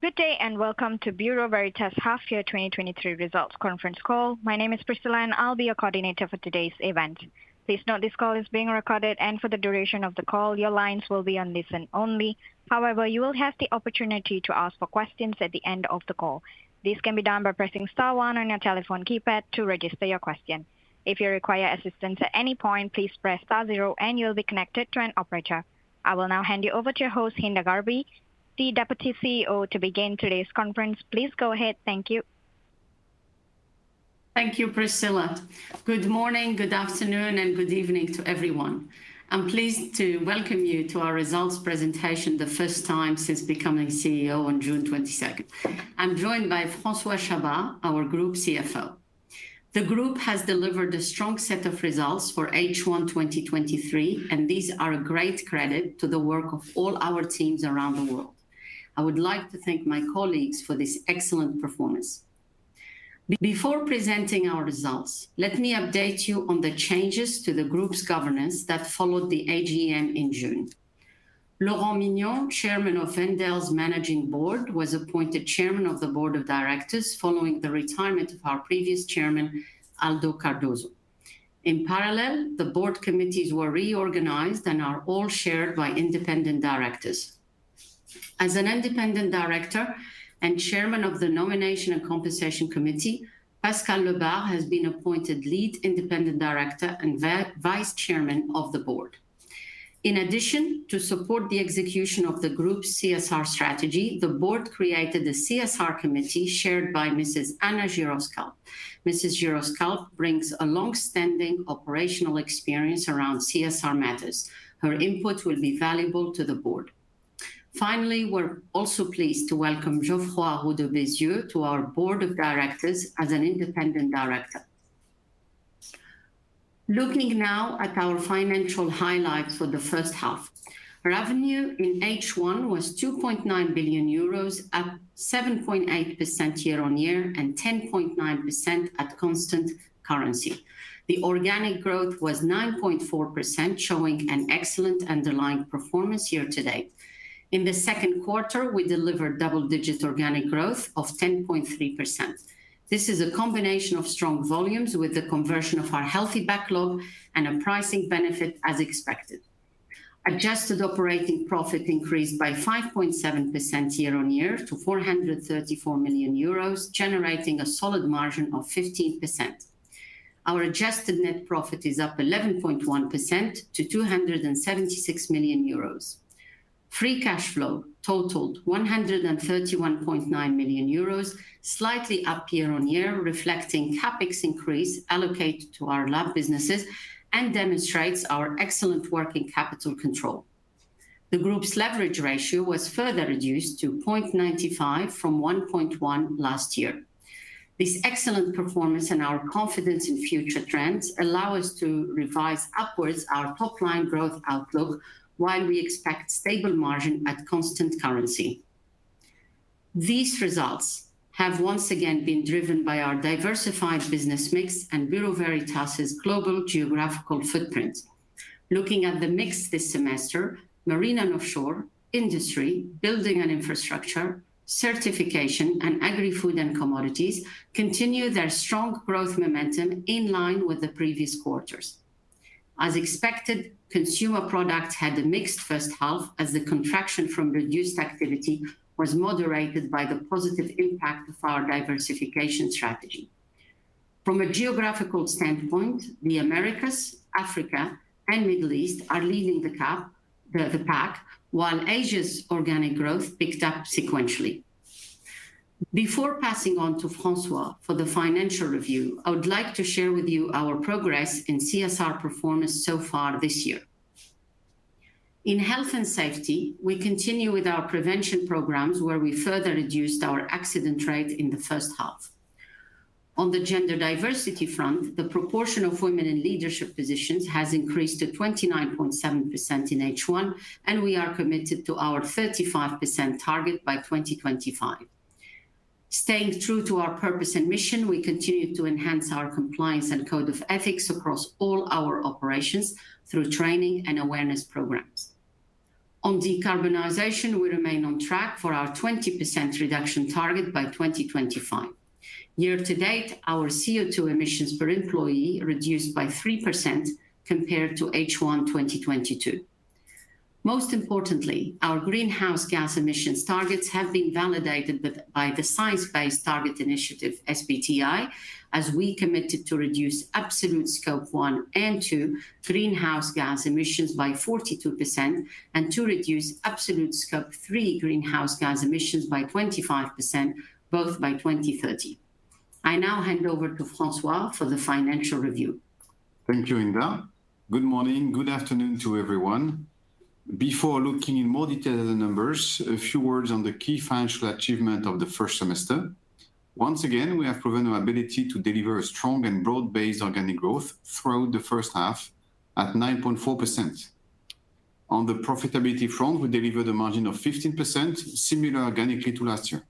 Good day. Welcome to Bureau Veritas Half Year 2023 Results Conference Call. My name is Priscilla, and I'll be your coordinator for today's event. Please note, this call is being recorded, and for the duration of the call, your lines will be on listen only. However, you will have the opportunity to ask for questions at the end of the call. This can be done by pressing star one on your telephone keypad to register your question. If you require assistance at any point, please press star zero and you'll be connected to an operator. I will now hand you over to your host, Hinda Gharbi, the Deputy CEO, to begin today's conference. Please go ahead. Thank you. Thank you, Priscilla. Good morning, good afternoon, and good evening to everyone. I'm pleased to welcome you to our results presentation, the first time since becoming CEO on June 22nd. I'm joined by François Chabas, our Group CFO. The group has delivered a strong set of results for H1 2023. These are a great credit to the work of all our teams around the world. I would like to thank my colleagues for this excellent performance. Before presenting our results, let me update you on the changes to the group's governance that followed the AGM in June. Laurent Mignon, Chairman of Wendel's Managing Board, was appointed Chairman of the Board of Directors following the retirement of our previous Chairman, Aldo Cardoso. In parallel, the board committees were reorganized and are all chaired by independent directors. As an Independent Director and Chairman of the Nomination & Compensation Committee, Pascal Lebard has been appointed Lead Independent Director and Vice-Chairman of the Board. To support the execution of the group's CSR strategy, the Board created a CSR Committee chaired by Mrs. Ana Giros Calpe. Mrs. Giros Calpe brings a long-standing operational experience around CSR matters. Her input will be valuable to the Board. Finally we're also pleased to welcome Geoffroy Roux de Bézieux to our Board of Directors as an Independent Director. Looking now at our financial highlights for the first half. Revenue in H1 was 2.9 billion euros, up 7.8% year-on-year, 10.9% at constant currency. The organic growth was 9.4%, showing an excellent underlying performance year-to-date. In the second quarter, we delivered double-digit organic growth of 10.3%. This is a combination of strong volumes with the conversion of our healthy backlog and a pricing benefit as expected. Adjusted operating profit increased by 5.7% year-on-year to 434 million euros, generating a solid margin of 15%. Our adjusted net profit is up 11.1% to 276 million euros. Free cash flow totaled 131.9 million euros, slightly up year-on-year, reflecting CapEx increase allocated to our lab businesses, and demonstrates our excellent working capital control. The group's leverage ratio was further reduced to 0.95 from 1.1 last year. This excellent performance and our confidence in future trends allow us to revise upwards our top-line growth outlook, while we expect stable margin at constant currency. These results have once again been driven by our diversified business mix and Bureau Veritas' global geographical footprint. Looking at the mix this semester, Marine & Offshore, industry, Buildings & Infrastructure, certification, and Agri-Food & Commodities continue their strong growth momentum in line with the previous quarters. As expected, consumer products had a mixed first half, as the contraction from reduced activity was moderated by the positive impact of our diversification strategy. From a geographical standpoint, the Americas, Africa, and Middle East are leading the pack, while Asia's organic growth picked up sequentially. Before passing on to François for the financial review, I would like to share with you our progress in CSR performance so far this year. In health and safety, we continue with our prevention programs, where we further reduced our accident rate in the first half. On the gender diversity front, the proportion of women in leadership positions has increased to 29.7% in H1. We are committed to our 35% target by 2025. Staying true to our purpose and mission, we continue to enhance our compliance and code of ethics across all our operations through training and awareness programs. On decarbonization, we remain on track for our 20% reduction target by 2025. Year to date, our CO2 emissions per employee reduced by 3% compared to H1 2022. Most importantly, our greenhouse gas emissions targets have been validated by the Science Based Targets initiative, SBTi, as we committed to reduce absolute Scope 1 and 2 greenhouse gas emissions by 42%, and to reduce absolute Scope 3 greenhouse gas emissions by 25%, both by 2030. I now hand over to François for the financial review. Thank you, Hinda. Good morning, good afternoon to everyone. Before looking in more detail at the numbers, a few words on the key financial achievement of the first semester. Once again, we have proven our ability to deliver a strong and broad-based organic growth throughout the first half at 9.4%. On the profitability front, we delivered a margin of 15%, similar organically to last year.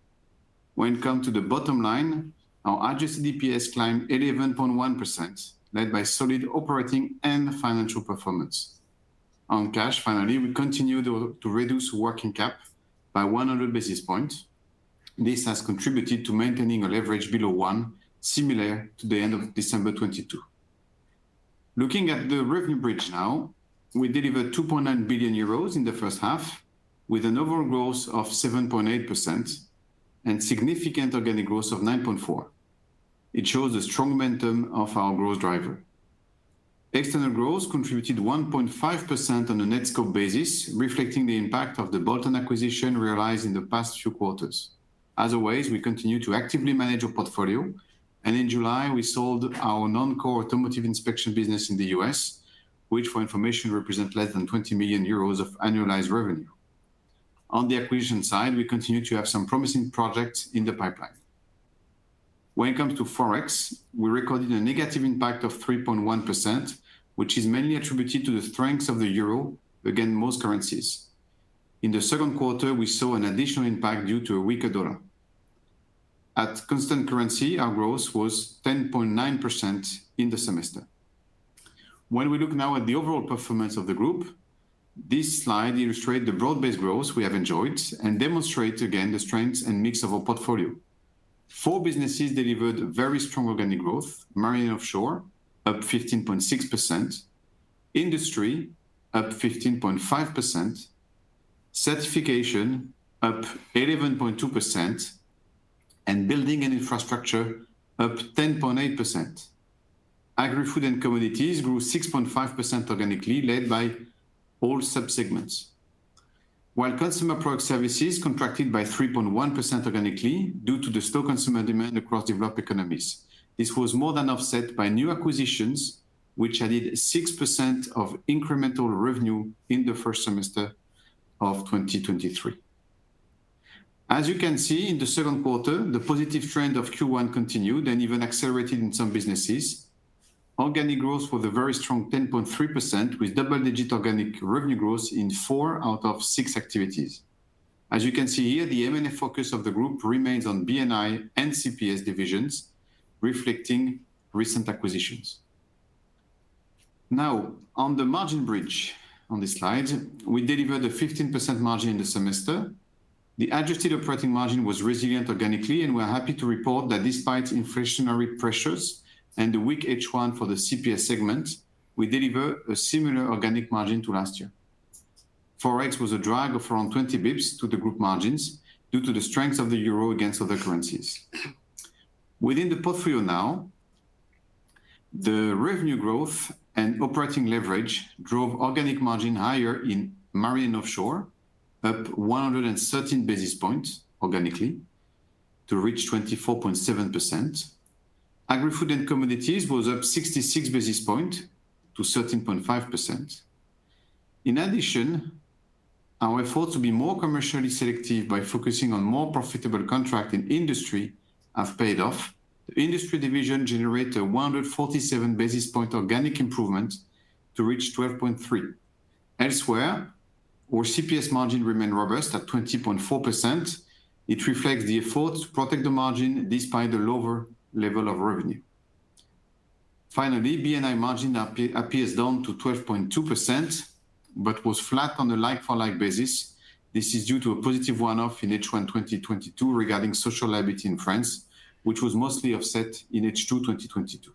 When it come to the bottom line, our adjusted EPS climbed 11.1%, led by solid operating and financial performance. On cash, finally, we continued to reduce working cap by 100 basis points. This has contributed to maintaining a leverage below one, similar to the end of December 2022. Looking at the revenue bridge now, we delivered 2.9 billion euros in the first half, with an overall growth of 7.8% and significant organic growth of 9.4%. It shows a strong momentum of our growth driver. External growth contributed 1.5% on a net scope basis, reflecting the impact of the bolt-on acquisition realized in the past few quarters. As always, we continue to actively manage our portfolio, and in July, we sold our non-core automotive inspection business in the U.S., which for information, represent less than 20 million euros of annualized revenue. On the acquisition side, we continue to have some promising projects in the pipeline. When it comes to Forex, we recorded a negative impact of 3.1%, which is mainly attributed to the strengths of the euro against most currencies. In the second quarter, we saw an additional impact due to a weaker dollar. At constant currency, our growth was 10.9% in the semester. When we look now at the overall performance of the group, this slide illustrate the broad-based growth we have enjoyed and demonstrate again the strength and mix of our portfolio. Four businesses delivered very strong organic growth: Marine & Offshore, up 15.6%, Industry, up 15.5%, Certification, up 11.2%, and Buildings & Infrastructure, up 10.8%. Agri-Food & Commodities grew 6.5% organically, led by all subsegments. Consumer Products Services contracted by 3.1% organically due to the slow consumer demand across developed economies. This was more than offset by new acquisitions, which added 6% of incremental revenue in the first semester of 2023. As you can see, in the second quarter, the positive trend of Q1 continued and even accelerated in some businesses. Organic growth was a very strong 10.3%, with double-digit organic revenue growth in four out of six activities. As you can see here, the M&A focus of the group remains on B&I and CPS divisions, reflecting recent acquisitions. On the margin bridge, on this slide, we delivered a 15% margin in the semester. The adjusted operating margin was resilient organically, and we are happy to report that despite inflationary pressures and the weak H1 for the CPS segment, we deliver a similar organic margin to last year. Forex was a drag of around 20 basis points to the group margins due to the strength of the euro against other currencies. Within the portfolio now, the revenue growth and operating leverage drove organic margin higher in Marine & Offshore, up 113 basis points organically to reach 24.7%. Agri-Food & Commodities was up 66 basis points to 13.5%. In addition, our effort to be more commercially selective by focusing on more profitable contracts in industry has paid off. The industry division generated a 147 basis point organic improvement to reach 12.3%. Elsewhere, our CPS margin remained robust at 20.4%. It reflects the effort to protect the margin despite the lower level of revenue. Finally, B&I margin appears down to 12.2%, but was flat on a like-for-like basis. This is due to a positive one-off in H1 2022 regarding social liability in France, which was mostly offset in H2 2022.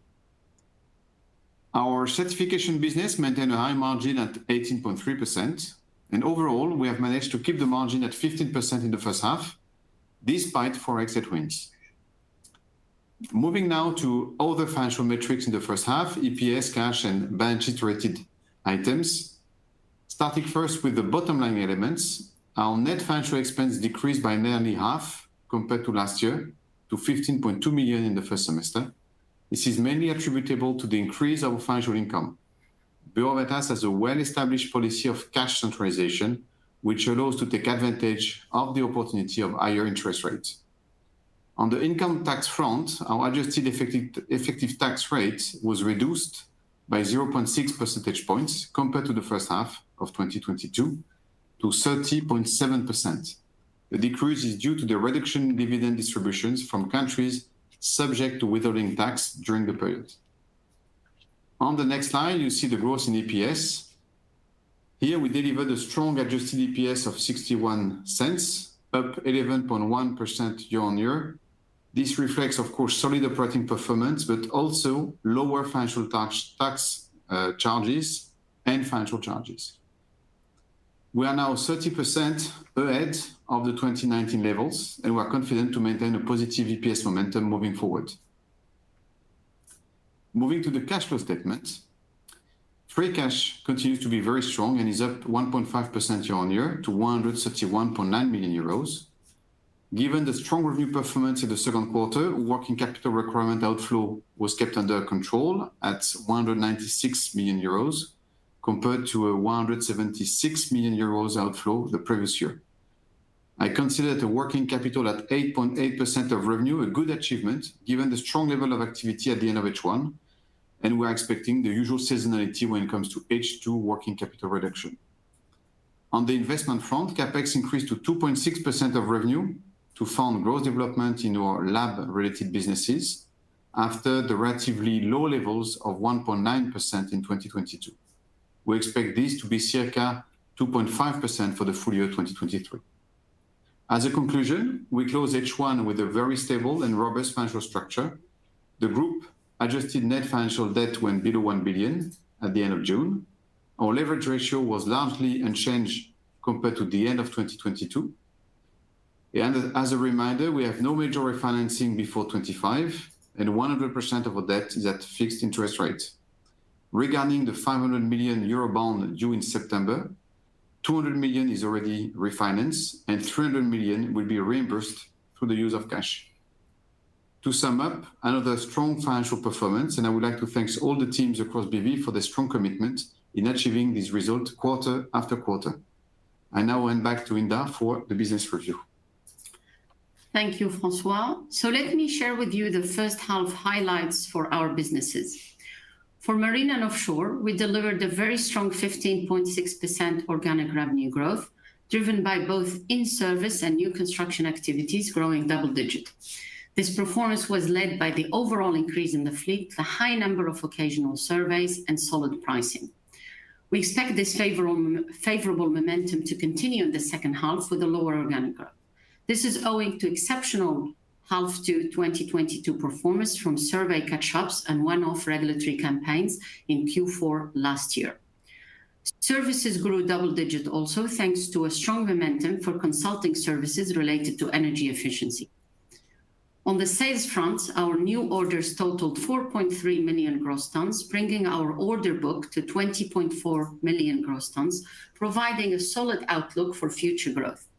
Our certification business maintained a high margin at 18.3%, and overall, we have managed to keep the margin at 15% in the first half, despite Forex headwinds. Moving now to other financial metrics in the first half, EPS, cash, and balance sheet rated items. Starting first with the bottom line elements, our net financial expense decreased by nearly half compared to last year, to 15.2 million in the first semester. This is mainly attributable to the increase of financial income. Bureau Veritas has a well-established policy of cash centralization, which allows to take advantage of the opportunity of higher interest rates. On the income tax front, our adjusted effective tax rate was reduced by 0.6 percentage points compared to the first half of 2022, to 30.7%. The decrease is due to the reduction in dividend distributions from countries subject to withholding tax during the period. On the next slide, you see the growth in EPS. Here, we delivered a strong adjusted EPS of 0.61, up 11.1% year-on-year. This reflects, of course, solid operating performance, also lower financial tax charges and financial charges. We are now 30% ahead of the 2019 levels, we are confident to maintain a positive EPS momentum moving forward. Moving to the cash flow statement. Free cash continues to be very strong and is up 1.5% year-on-year to 131.9 million euros. Given the strong revenue performance in the second quarter, working capital requirement outflow was kept under control at 196 million euros, compared to a 176 million euros outflow the previous year. I consider the working capital at 8.8% of revenue a good achievement, given the strong level of activity at the end of H1, and we are expecting the usual seasonality when it comes to H2 working capital reduction. On the investment front, CapEx increased to 2.6% of revenue to fund growth development in our lab-related businesses, after the relatively low levels of 1.9% in 2022. We expect this to be circa 2.5% for the full year 2023. As a conclusion, we close H1 with a very stable and robust financial structure. The group adjusted net financial debt went below 1 billion at the end of June. Our leverage ratio was largely unchanged compared to the end of 2022. As a reminder, we have no major refinancing before 2025. 100% of our debt is at fixed interest rates. Regarding the 500 million euro bond due in September, 200 million is already refinanced. 300 million will be reimbursed through the use of cash. To sum up, another strong financial performance. I would like to thank all the teams across BV for their strong commitment in achieving this result quarter after quarter. I now hand back to Hinda for the business review. Thank you, François. Let me share with you the first half highlights for our businesses. For Marine & Offshore, we delivered a very strong 15.6% organic revenue growth, driven by both in-service and new construction activities growing double-digit. This performance was led by the overall increase in the fleet, the high number of occasional surveys, and solid pricing. We expect this favorable momentum to continue in the second half with a lower organic growth. This is owing to exceptional half to 2022 performance from survey catch-ups and one-off regulatory campaigns in Q4 last year. Services grew double-digit also, thanks to a strong momentum for consulting services related to energy efficiency. On the sales front, our new orders totaled 4.3 million gross tons, bringing our order book to 20.4 million gross tons, providing a solid outlook for future growth.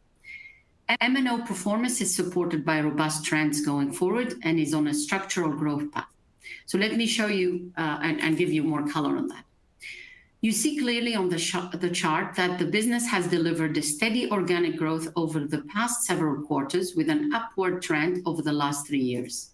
MNO performance is supported by robust trends going forward and is on a structural growth path. Let me show you and give you more color on that. You see clearly on the chart that the business has delivered a steady organic growth over the past several quarters, with an upward trend over the last three years.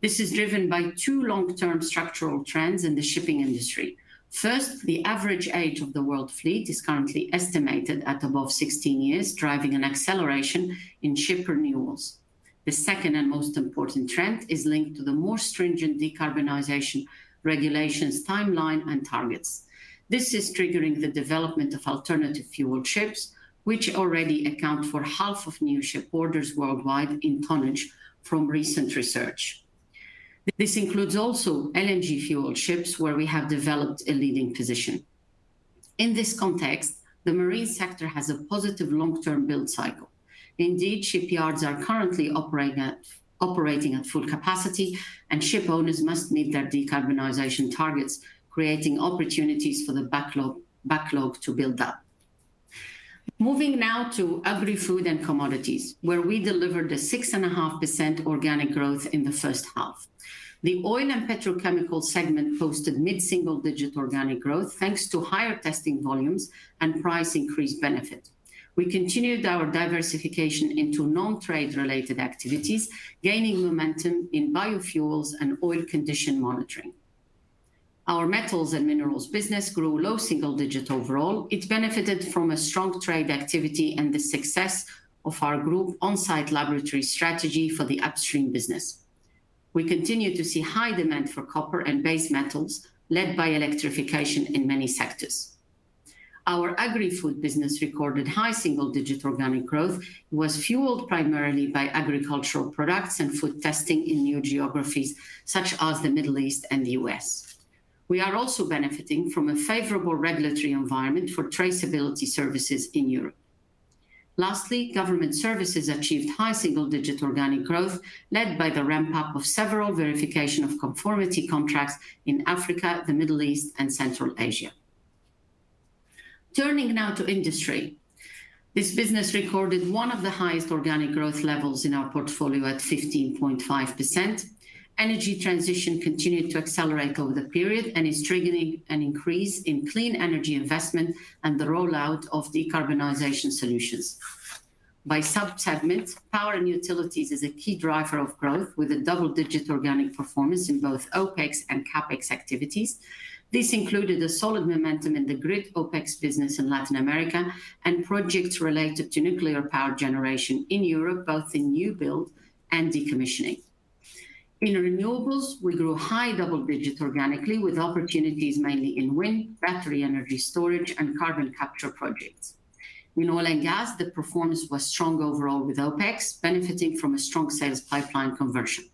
This is driven by two long-term structural trends in the shipping industry. First, the average age of the world fleet is currently estimated at above 16 years, driving an acceleration in ship renewals. The second and most important trend is linked to the more stringent decarbonization regulations, timeline, and targets. This is triggering the development of alternative fuel ships, which already account for half of new ship orders worldwide in tonnage from recent research. This includes also LNG fuel ships, where we have developed a leading position. In this context, the marine sector has a positive long-term build cycle. Indeed, shipyards are currently operating at full capacity, and shipowners must meet their decarbonization targets, creating opportunities for the backlog to build up. Moving now to Agri-Food & Commodities, where we delivered a 6.5% organic growth in the first half. The Oil and Petrochemical segment hosted mid-single-digit organic growth, thanks to higher testing volumes and price increase benefit. We continued our diversification into non-trade-related activities, gaining momentum in biofuels and oil condition monitoring. Our metals and minerals business grew low single digit overall. It benefited from a strong trade activity and the success of our group on-site laboratory strategy for the upstream business. We continue to see high demand for copper and base metals, led by electrification in many sectors. Our Agri-Food business recorded high single-digit organic growth, was fueled primarily by agricultural products and food testing in new geographies such as the Middle East and the U.S. We are also benefiting from a favorable regulatory environment for traceability services in Europe. Government services achieved high single-digit organic growth, led by the ramp-up of several verification of conformity contracts in Africa, the Middle East, and Central Asia. Turning now to industry. This business recorded one of the highest organic growth levels in our portfolio at 15.5%. Energy transition continued to accelerate over the period and is triggering an increase in clean energy investment and the rollout of decarbonization solutions. By sub-segment, power and utilities is a key driver of growth, with a double-digit organic performance in both OpEx and CapEx activities. This included a solid momentum in the grid OpEx business in Latin America and projects related to nuclear power generation in Europe, both in new build and decommissioning. In renewables, we grew high double digits organically, with opportunities mainly in wind, battery energy storage, and carbon capture projects. In oil and gas, the performance was strong overall, with OpEx benefiting from a strong sales pipeline conversion.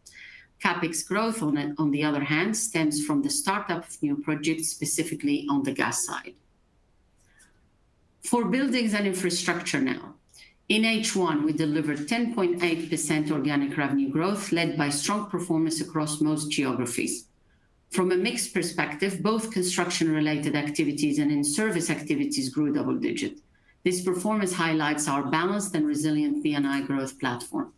CapEx growth on the other hand, stems from the startup of new projects, specifically on the gas side. For Buildings & Infrastructure now. In H1, we delivered 10.8% organic revenue growth, led by strong performance across most geographies. From a mixed perspective, both construction-related activities and in-service activities grew double digit. This performance highlights our balanced and resilient B&I growth platform.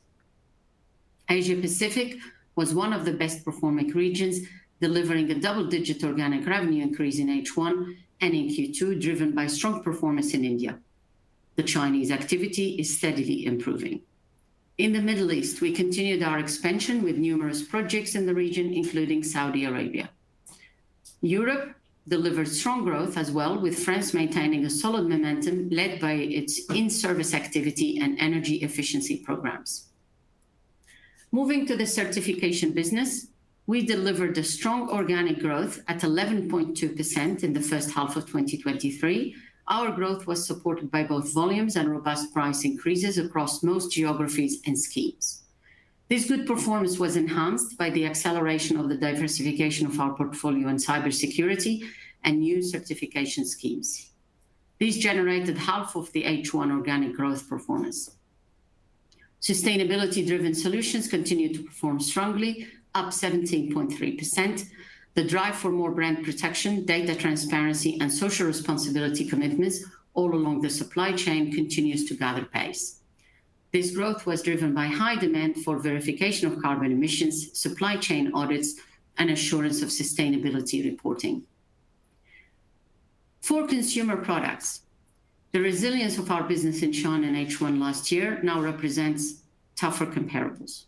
Asia Pacific was one of the best performing regions, delivering a double-digit organic revenue increase in H1 and in Q2, driven by strong performance in India. The Chinese activity is steadily improving. In the Middle East, we continued our expansion with numerous projects in the region, including Saudi Arabia. Europe delivered strong growth as well, with France maintaining a solid momentum led by its in-service activity and energy efficiency programs. Moving to the certification business, we delivered a strong organic growth at 11.2% in the first half of 2023. Our growth was supported by both volumes and robust price increases across most geographies and schemes. This good performance was enhanced by the acceleration of the diversification of our portfolio in cybersecurity and new certification schemes. These generated half of the H1 organic growth performance. Sustainability-driven solutions continued to perform strongly, up 17.3%. The drive for more brand protection, data transparency, and social responsibility commitments all along the supply chain continues to gather pace. This growth was driven by high demand for verification of carbon emissions, supply chain audits, and assurance of sustainability reporting. For Consumer Products, the resilience of our business in China in H1 last year now represents tougher comparables.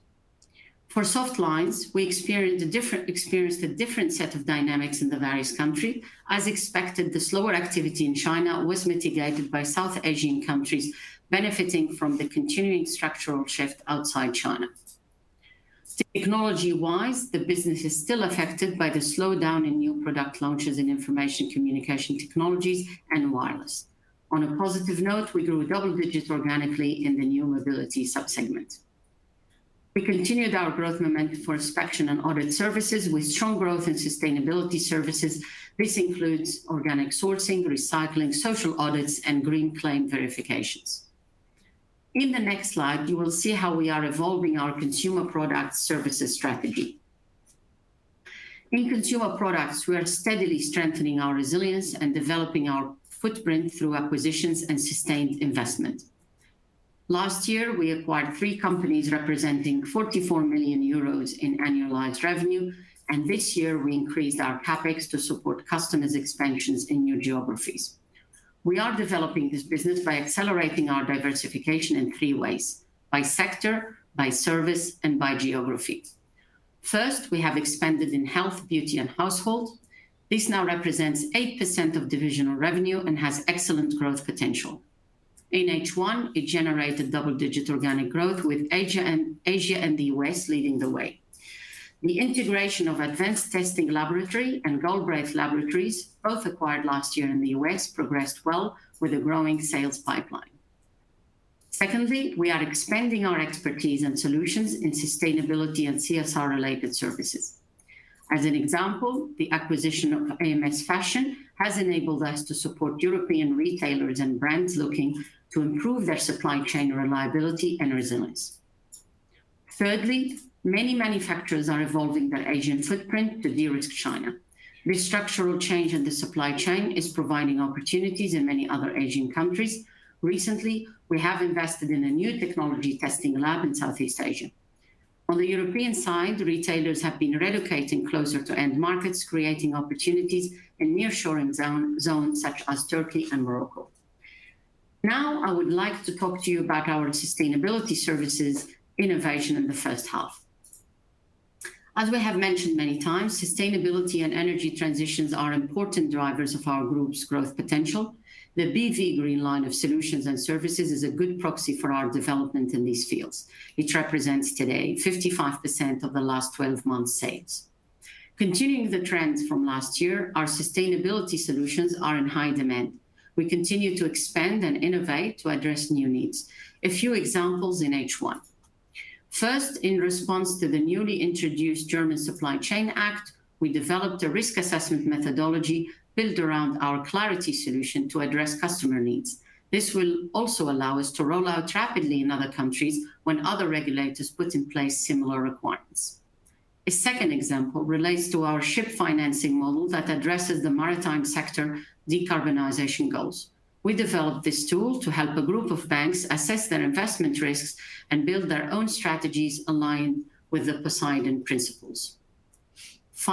For soft lines, we experienced a different set of dynamics in the various country. As expected, the slower activity in China was mitigated by South Asian countries, benefiting from the continuing structural shift outside China. Technology-wise, the business is still affected by the slowdown in new product launches in information communication technologies and wireless. On a positive note, we grew double digits organically in the new mobility subsegment. We continued our growth momentum for inspection and audit services with strong growth in sustainability services. This includes organic sourcing, recycling, social audits, and green claim verifications. In the next slide, you will see how we are evolving our Consumer Products Services strategy. In Consumer Products, we are steadily strengthening our resilience and developing our footprint through acquisitions and sustained investment. Last year, we acquired three companies representing 44 million euros in annualized revenue. This year, we increased our CapEx to support customers expansions in new geographies. We are developing this business by accelerating our diversification in three ways: by sector, by service, and by geography. First, we have expanded in Health, Beauty & Household. This now represents 8% of divisional revenue and has excellent growth potential. In H1, it generated double-digit organic growth, with Asia and the U.S. leading the way. The integration of Advanced Testing Laboratory and Gold-i-Crest Laboratories, both acquired last year in the U.S., progressed well with a growing sales pipeline. Secondly, we are expanding our expertise and solutions in sustainability and CSR-related services. As an example, the acquisition of AMS Fashion has enabled us to support European retailers and brands looking to improve their supply chain reliability and resilience. Thirdly, many manufacturers are evolving their Asian footprint to de-risk China. This structural change in the supply chain is providing opportunities in many other Asian countries. Recently, we have invested in a new technology testing lab in Southeast Asia. On the European side, retailers have been relocating closer to end markets, creating opportunities in nearshoring zones such as Turkey and Morocco. Now, I would like to talk to you about our sustainability services innovation in the first half. As we have mentioned many times, sustainability and energy transitions are important drivers of our group's growth potential. The BV Green Line of solutions and services is a good proxy for our development in these fields, which represents today 55% of the last 12 months' sales. Continuing the trends from last year, our sustainability solutions are in high demand. We continue to expand and innovate to address new needs. A few examples in H1: First, in response to the newly introduced German Supply Chain Act, we developed a risk assessment methodology built around our Clarity solution to address customer needs. This will also allow us to roll out rapidly in other countries when other regulators put in place similar requirements. A second example relates to our ship financing model that addresses the maritime sector decarbonization goals. We developed this tool to help a group of banks assess their investment risks and build their own strategies aligned with the Poseidon Principles.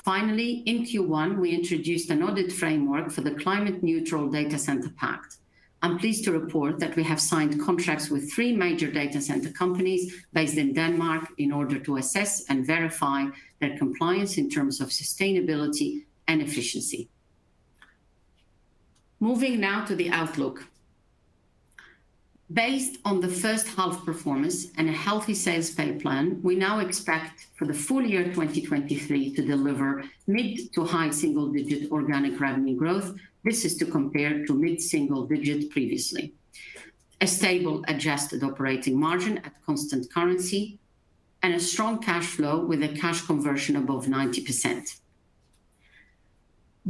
In Q1, we introduced an audit framework for the Climate Neutral Data Centre Pact. I'm pleased to report that we have signed contracts with three major data center companies based in Denmark in order to assess and verify their compliance in terms of sustainability and efficiency. Moving now to the outlook. Based on the first half performance and a healthy sales pipeline, we now expect for the full year 2023 to deliver mid-to-high single-digit organic revenue growth. This is to compare to mid-single-digit previously. A stable adjusted operating margin at constant currency, and a strong cash flow with a cash conversion above 90%.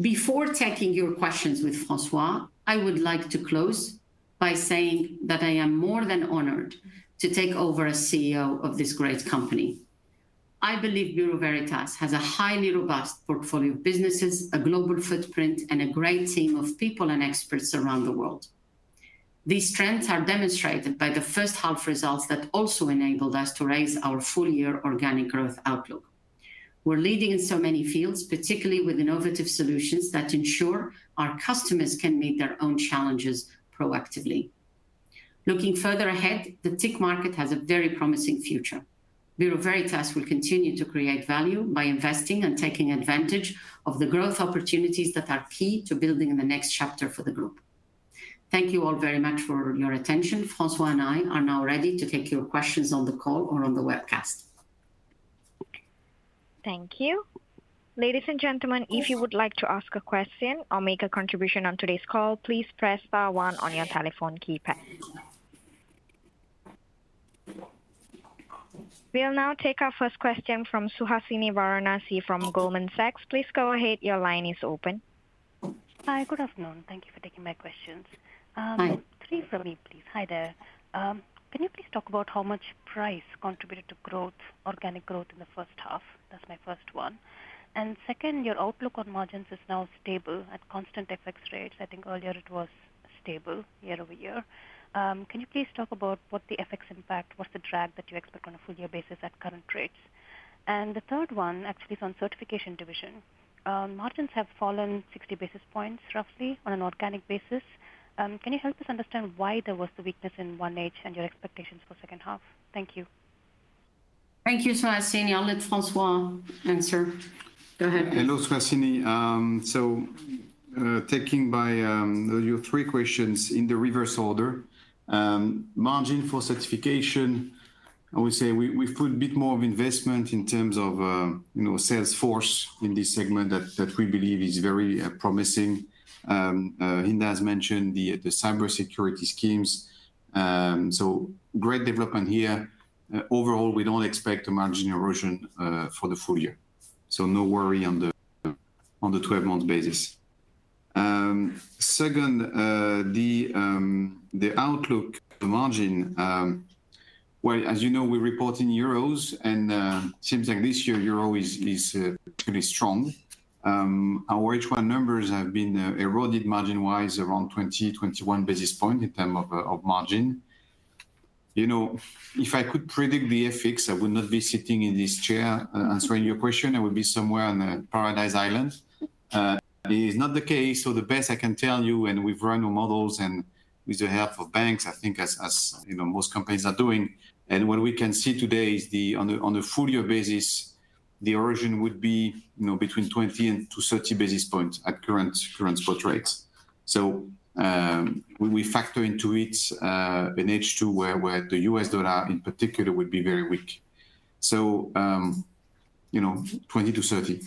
Before taking your questions with François, I would like to close by saying that I am more than honored to take over as CEO of this great company. I believe Bureau Veritas has a highly robust portfolio of businesses, a global footprint, and a great team of people and experts around the world. These strengths are demonstrated by the first half results that also enabled us to raise our full-year organic growth outlook. We're leading in so many fields, particularly with innovative solutions that ensure our customers can meet their own challenges proactively. Looking further ahead, the TIC market has a very promising future. We are very fast. We'll continue to create value by investing and taking advantage of the growth opportunities that are key to building in the next chapter for the group. Thank you all very much for your attention. François and I are now ready to take your questions on the call or on the webcast. Thank you. Ladies and gentlemen, if you would like to ask a question or make a contribution on today's call, please press star one on your telephone keypad. We will now take our first question from Suhasini Varanasi from Goldman Sachs. Please go ahead. Your line is open. Hi, good afternoon. Thank you for taking my questions. Hi. Three for me, please. Hi there. Can you please talk about how much price contributed to growth, organic growth in the first half? That's my first one. Second, your outlook on margins is now stable at constant FX rates. I think earlier it was stable year-over-year. Can you please talk about what the FX impact, what's the drag that you expect on a full year basis at current rates? The third one actually is on certification division. Margins have fallen 60 basis points roughly on an organic basis. Can you help us understand why there was the weakness in 1H and your expectations for second half? Thank you. Thank you, Suhasini. I'll let François answer. Go ahead. Hello, Suhasini. Taking by your three questions in the reverse order. Margin for certification, I would say we put a bit more of investment in terms of, you know, Salesforce in this segment that we believe is very promising. Hinda has mentioned the cybersecurity schemes, great development here. Overall, we don't expect a margin erosion for the full year, no worry on the 12-month basis. Second, the outlook, the margin, well, as you know, we report in EUR, and seems like this year EUR is pretty strong. Our H1 numbers have been eroded margin-wise around 20-21 basis points in term of margin. You know, if I could predict the FX, I would not be sitting in this chair answering your question. I would be somewhere on a paradise island. It is not the case, so the best I can tell you, and we've run our models and with the help of banks, I think as, you know, most companies are doing, and what we can see today is on a full year basis, the origin would be, you know, between 20 and to 30 basis points at current spot rates. So when we factor into it in H2 where we had the U.S. dollar in particular would be very weak. You know, 20 to 30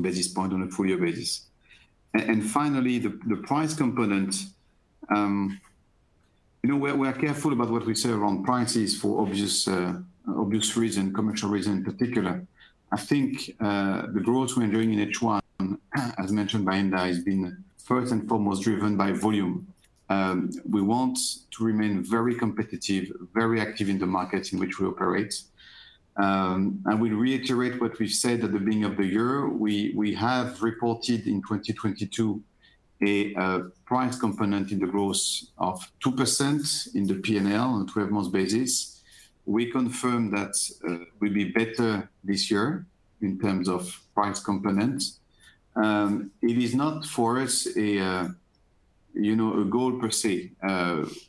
basis points on a full year basis. Finally, the price component, you know, we're careful about what we say around prices for obvious reasons, commercial reasons in particular. I think the growth we're doing in H1, as mentioned by Hinda, has been first and foremost driven by volume. We want to remain very competitive, very active in the markets in which we operate. We reiterate what we said at the beginning of the year, we have reported in 2022 a price component in the growth of 2% in the PNL on a 12-month basis. We confirm that will be better this year in terms of price component. It is not for us a, you know, a goal per se.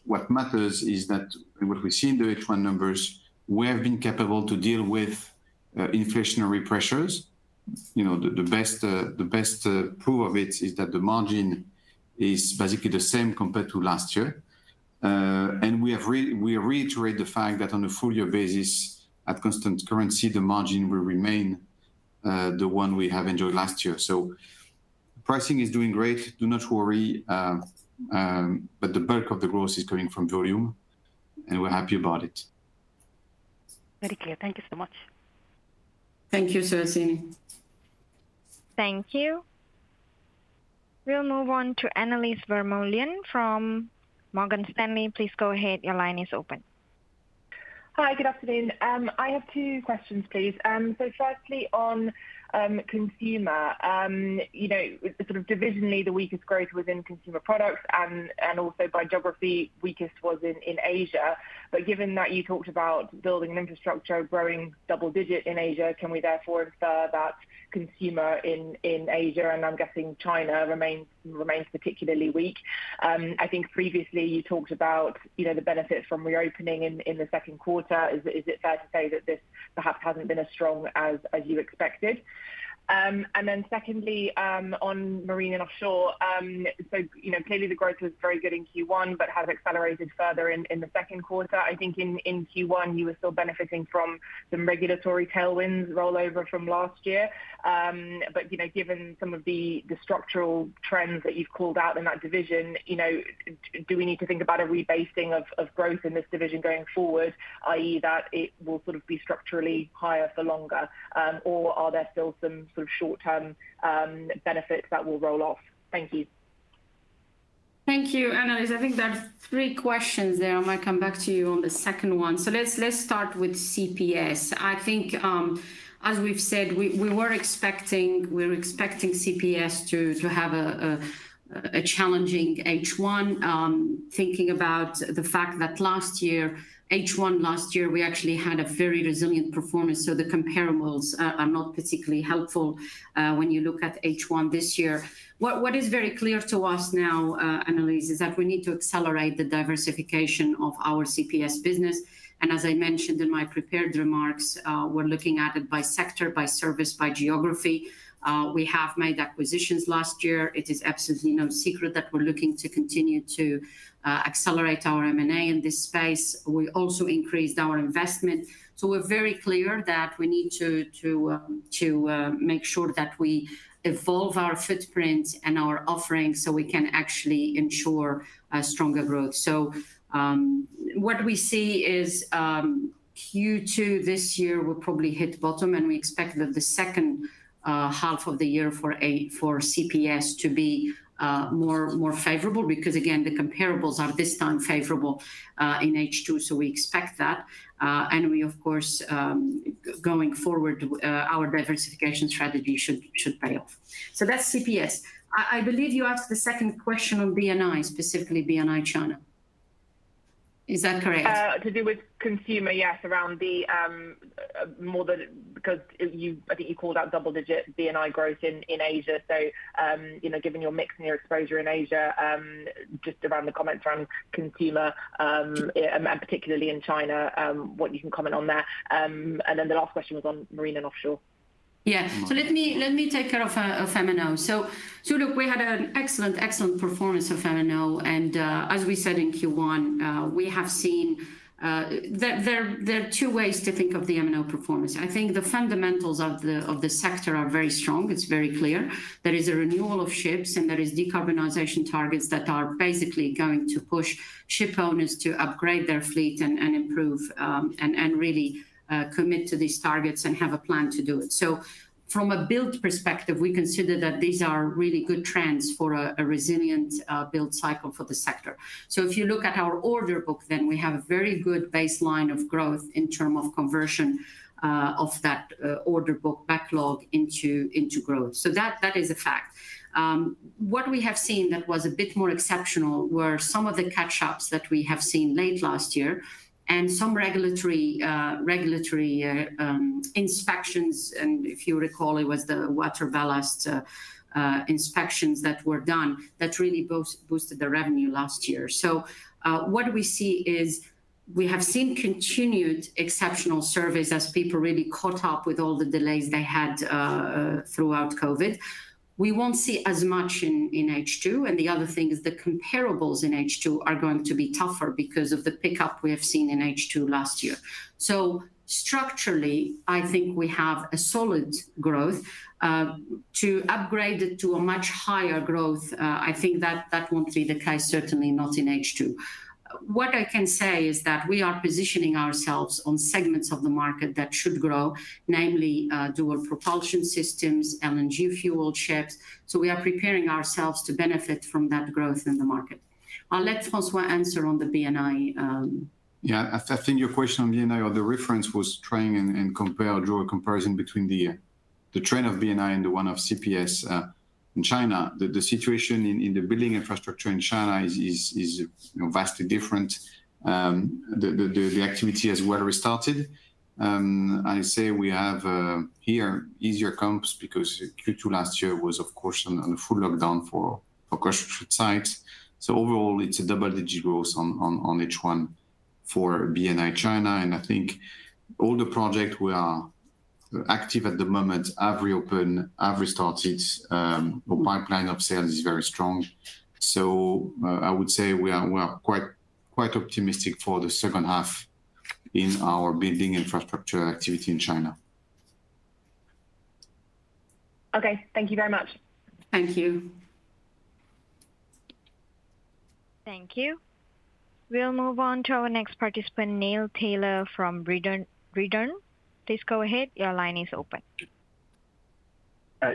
What matters is that what we see in the H1 numbers, we have been capable to deal with inflationary pressures. You know, the best proof of it is that the margin is basically the same compared to last year. We reiterate the fact that on a full year basis, at constant currency, the margin will remain the one we have enjoyed last year. Pricing is doing great. Do not worry, the bulk of the growth is coming from volume, and we're happy about it. Very clear. Thank you so much. Thank you, Suhasini. Thank you. We'll move on to Annelies Vermeulen from Morgan Stanley. Please go ahead. Your line is open. Hi, good afternoon. I have two questions, please. Firstly, on consumer, you know, sort of divisionally, the weakest growth was in Consumer Products and also by geography, weakest was in Asia. Given that you talked about building an infrastructure, growing double digit in Asia, can we therefore infer that consumer in Asia, and I'm guessing China, remains particularly weak? I think previously you talked about, you know, the benefits from reopening in the second quarter. Is it fair to say that this perhaps hasn't been as strong as you expected? Secondly, on Marine & Offshore, you know, clearly the growth was very good in Q1, has it accelerated further in the second quarter? I think in Q1, you were still benefiting from some regulatory tailwinds rollover from last year. You know, given some of the structural trends that you've called out in that division, you know, do we need to think about a rebasing of growth in this division going forward, i.e., that it will sort of be structurally higher for longer? Or are there still some sort of short-term benefits that will roll off? Thank you. Thank you, Annelies. I think there are three questions there. I might come back to you on the second one. Let's start with CPS. I think, as we've said, we're expecting CPS to have a challenging H1. Thinking about the fact that last year, H1 last year, we actually had a very resilient performance, so the comparables are not particularly helpful when you look at H1 this year. What is very clear to us now, Annelies, is that we need to accelerate the diversification of our CPS business, and as I mentioned in my prepared remarks, we're looking at it by sector, by service, by geography. We have made acquisitions last year. It is absolutely no secret that we're looking to continue to accelerate our M&A in this space. We also increased our investment. We're very clear that we need to make sure that we evolve our footprint and our offering so we can actually ensure a stronger growth. What we see is Q2 this year will probably hit bottom, and we expect that the second half of the year for CPS to be more favorable because, again, the comparables are this time favorable in H2, so we expect that. We, of course, going forward, our diversification strategy should pay off. That's CPS. I believe you asked the second question on B&I, specifically B&I China. Is that correct? To do with consumer, yes, around the more than... Because you, I think you called out double digit B&I growth in Asia. You know, giving your mix and your exposure in Asia, just around the comment around consumer, and particularly in China, what you can comment on that? Then the last question was on Marine and Offshore. Yeah. Let me take care of M&O. Look, we had an excellent performance of M&O, as we said in Q1, we have seen there are two ways to think of the M&O performance. I think the fundamentals of the sector are very strong. It's very clear. There is a renewal of ships, and there is decarbonization targets that are basically going to push shipowners to upgrade their fleet and improve and really commit to these targets and have a plan to do it. From a build perspective, we consider that these are really good trends for a resilient build cycle for the sector. If you look at our order book, then we have a very good baseline of growth in term of conversion of that order book backlog into growth. That is a fact. What we have seen that was a bit more exceptional were some of the catch-ups that we have seen late last year and some regulatory inspections, and if you recall, it was the ballast water inspections that were done that really boosted the revenue last year. What we see is we have seen continued exceptional surveys as people really caught up with all the delays they had throughout COVID. We won't see as much in H2. The other thing is the comparables in H2 are going to be tougher because of the pickup we have seen in H2 last year. Structurally, I think we have a solid growth. To upgrade it to a much higher growth, I think that won't be the case, certainly not in H2. What I can say is that we are positioning ourselves on segments of the market that should grow, namely, dual propulsion systems, LNG fueled ships. We are preparing ourselves to benefit from that growth in the market. I'll let François Chabas answer on the B&I. I think your question on B&I or the reference was trying and compare or draw a comparison between the trend of B&I and the one of CPS in China. The situation in the building infrastructure in China is, you know, vastly different. The activity has well restarted. I say we have here easier comps because Q2 last year was of course under full lockdown for construction sites. Overall, it's a double-digit growth on H1 for B&I China, and I think all the projects we are active at the moment have reopened, have restarted. The pipeline of sales is very strong. I would say we are quite optimistic for the second half in our building infrastructure activity in China. Okay. Thank you very much. Thank you. Thank you. We'll move on to our next participant, Neil Tyler from Redburn. Please go ahead. Your line is open.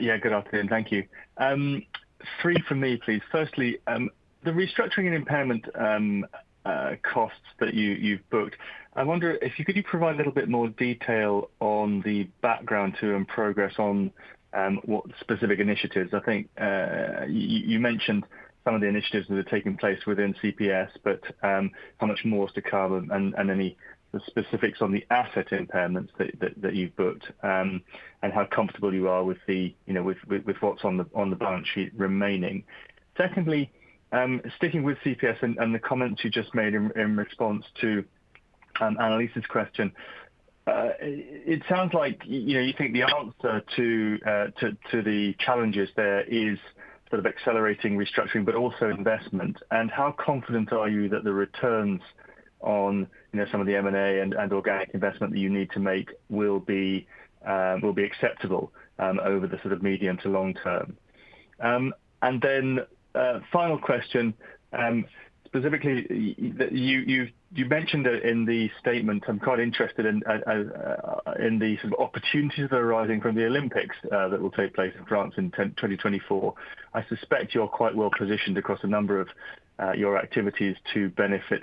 Yeah, good afternoon. Thank you. three for me, please. Firstly, the restructuring and impairment costs that you've booked, I wonder if you could provide a little bit more detail on the background to and progress on what specific initiatives? I think, you mentioned some of the initiatives that are taking place within CPS, but how much more is to come and any specifics on the asset impairments that you've booked, and how comfortable you are with the, you know, with what's on the balance sheet remaining? Secondly, sticking with CPS and the comments you just made in response to Annelies's question, it sounds like, you know, you think the answer to the challenges there is sort of accelerating restructuring, but also investment. How confident are you that the returns on, you know, some of the M&A and organic investment that you need to make will be acceptable over the sort of medium to long term? Final question, specifically, that you mentioned it in the statement, I'm quite interested in the sort of opportunities that are arising from the Olympics that will take place in France in 2024. I suspect you're quite well positioned across a number of your activities to benefit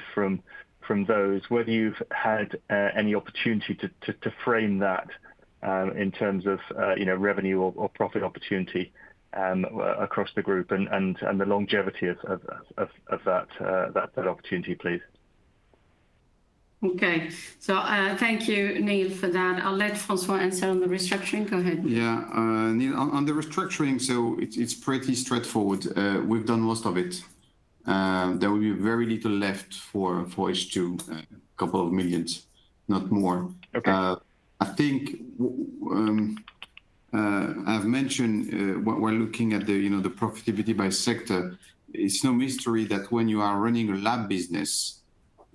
from those. Whether you've had any opportunity to frame that in terms of, you know, revenue or profit opportunity, across the group and the longevity of that opportunity, please? Okay. Thank you, Neil, for that. I'll let François answer on the restructuring. Go ahead. Neil, on the restructuring, it's pretty straightforward. We've done most of it. There will be very little left for H2, couple of millions, not more. Okay. I think I've mentioned what we're looking at, you know, the profitability by sector. It's no mystery that when you are running a lab business,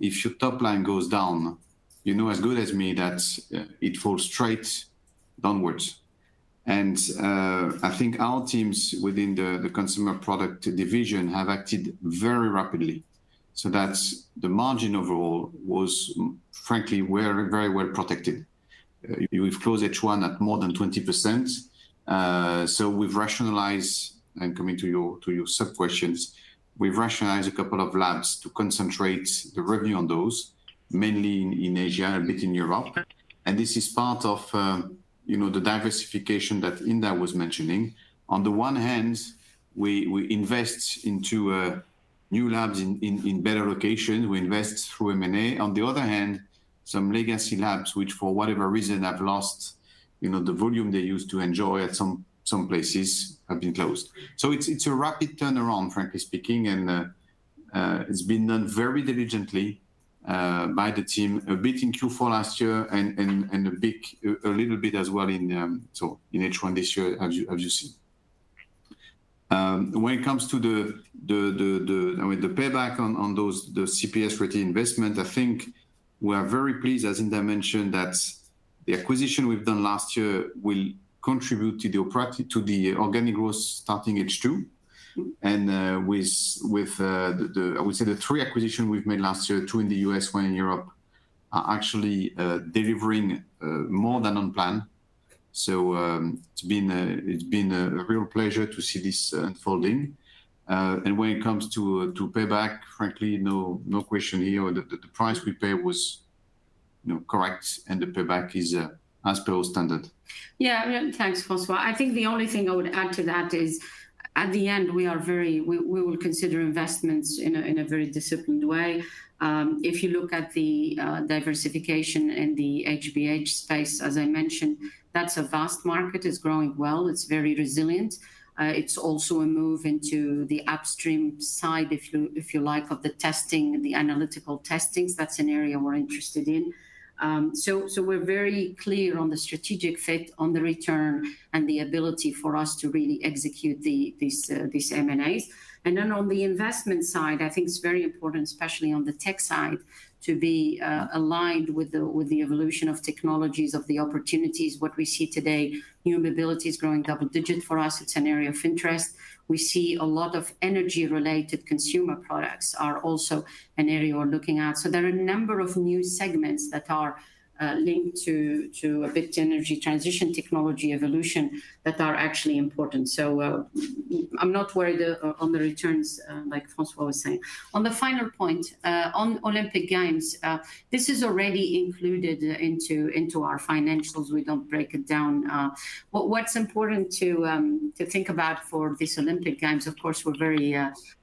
if your top line goes down, you know as good as me that it falls straight downwards. I think our teams within the consumer product division have acted very rapidly. That's the margin overall was, frankly, very, very well protected. We've closed H1 at more than 20%. We've rationalized... I'm coming to your sub-questions. We've rationalized a couple of labs to concentrate the revenue on those, mainly in Asia and a bit in Europe. Okay. This is part of, you know, the diversification that Hinda was mentioning. On the one hand, we invest into new labs in better location. We invest through M&A. On the other hand, some legacy labs, which for whatever reason, have lost, you know, the volume they used to enjoy at some places, have been closed. It's, it's a rapid turnaround, frankly speaking, and it's been done very diligently by the team, a bit in Q4 last year and a bit, a little bit as well in so in H1 this year, as you see. When it comes to the, I mean, the payback on those, the CPS return investment, I think we are very pleased, as Hinda mentioned, that the acquisition we've done last year will contribute to the organic growth starting H2. With, I would say the 3 acquisition we've made last year, 2 in the U.S., 1 in Europe, are actually delivering more than on plan. It's been a real pleasure to see this unfolding. When it comes to payback, frankly, no question here. The price we paid was, you know, correct, and the payback is as per standard. Yeah, thanks, François. I think the only thing I would add to that is, at the end, we will consider investments in a very disciplined way. If you look at the diversification in the HBH space, as I mentioned, that's a vast market. It's growing well, it's very resilient. It's also a move into the upstream side, if you like, of the testing, the analytical testings. That's an area we're interested in. So we're very clear on the strategic fit, on the return, and the ability for us to really execute these M&As. On the investment side, I think it's very important, especially on the tech side, to be aligned with the evolution of technologies, of the opportunities. What we see today, human mobility is growing double-digit. For us, it's an area of interest. We see a lot of energy-related consumer products are also an area we're looking at. So there are a number of new segments that are linked to a bit energy transition, technology evolution that are actually important. So I'm not worried on the returns like François was saying. On the final point on Olympic Games, this is already included into our financials. We don't break it down. What's important to think about for this Olympic Games, of course, we're very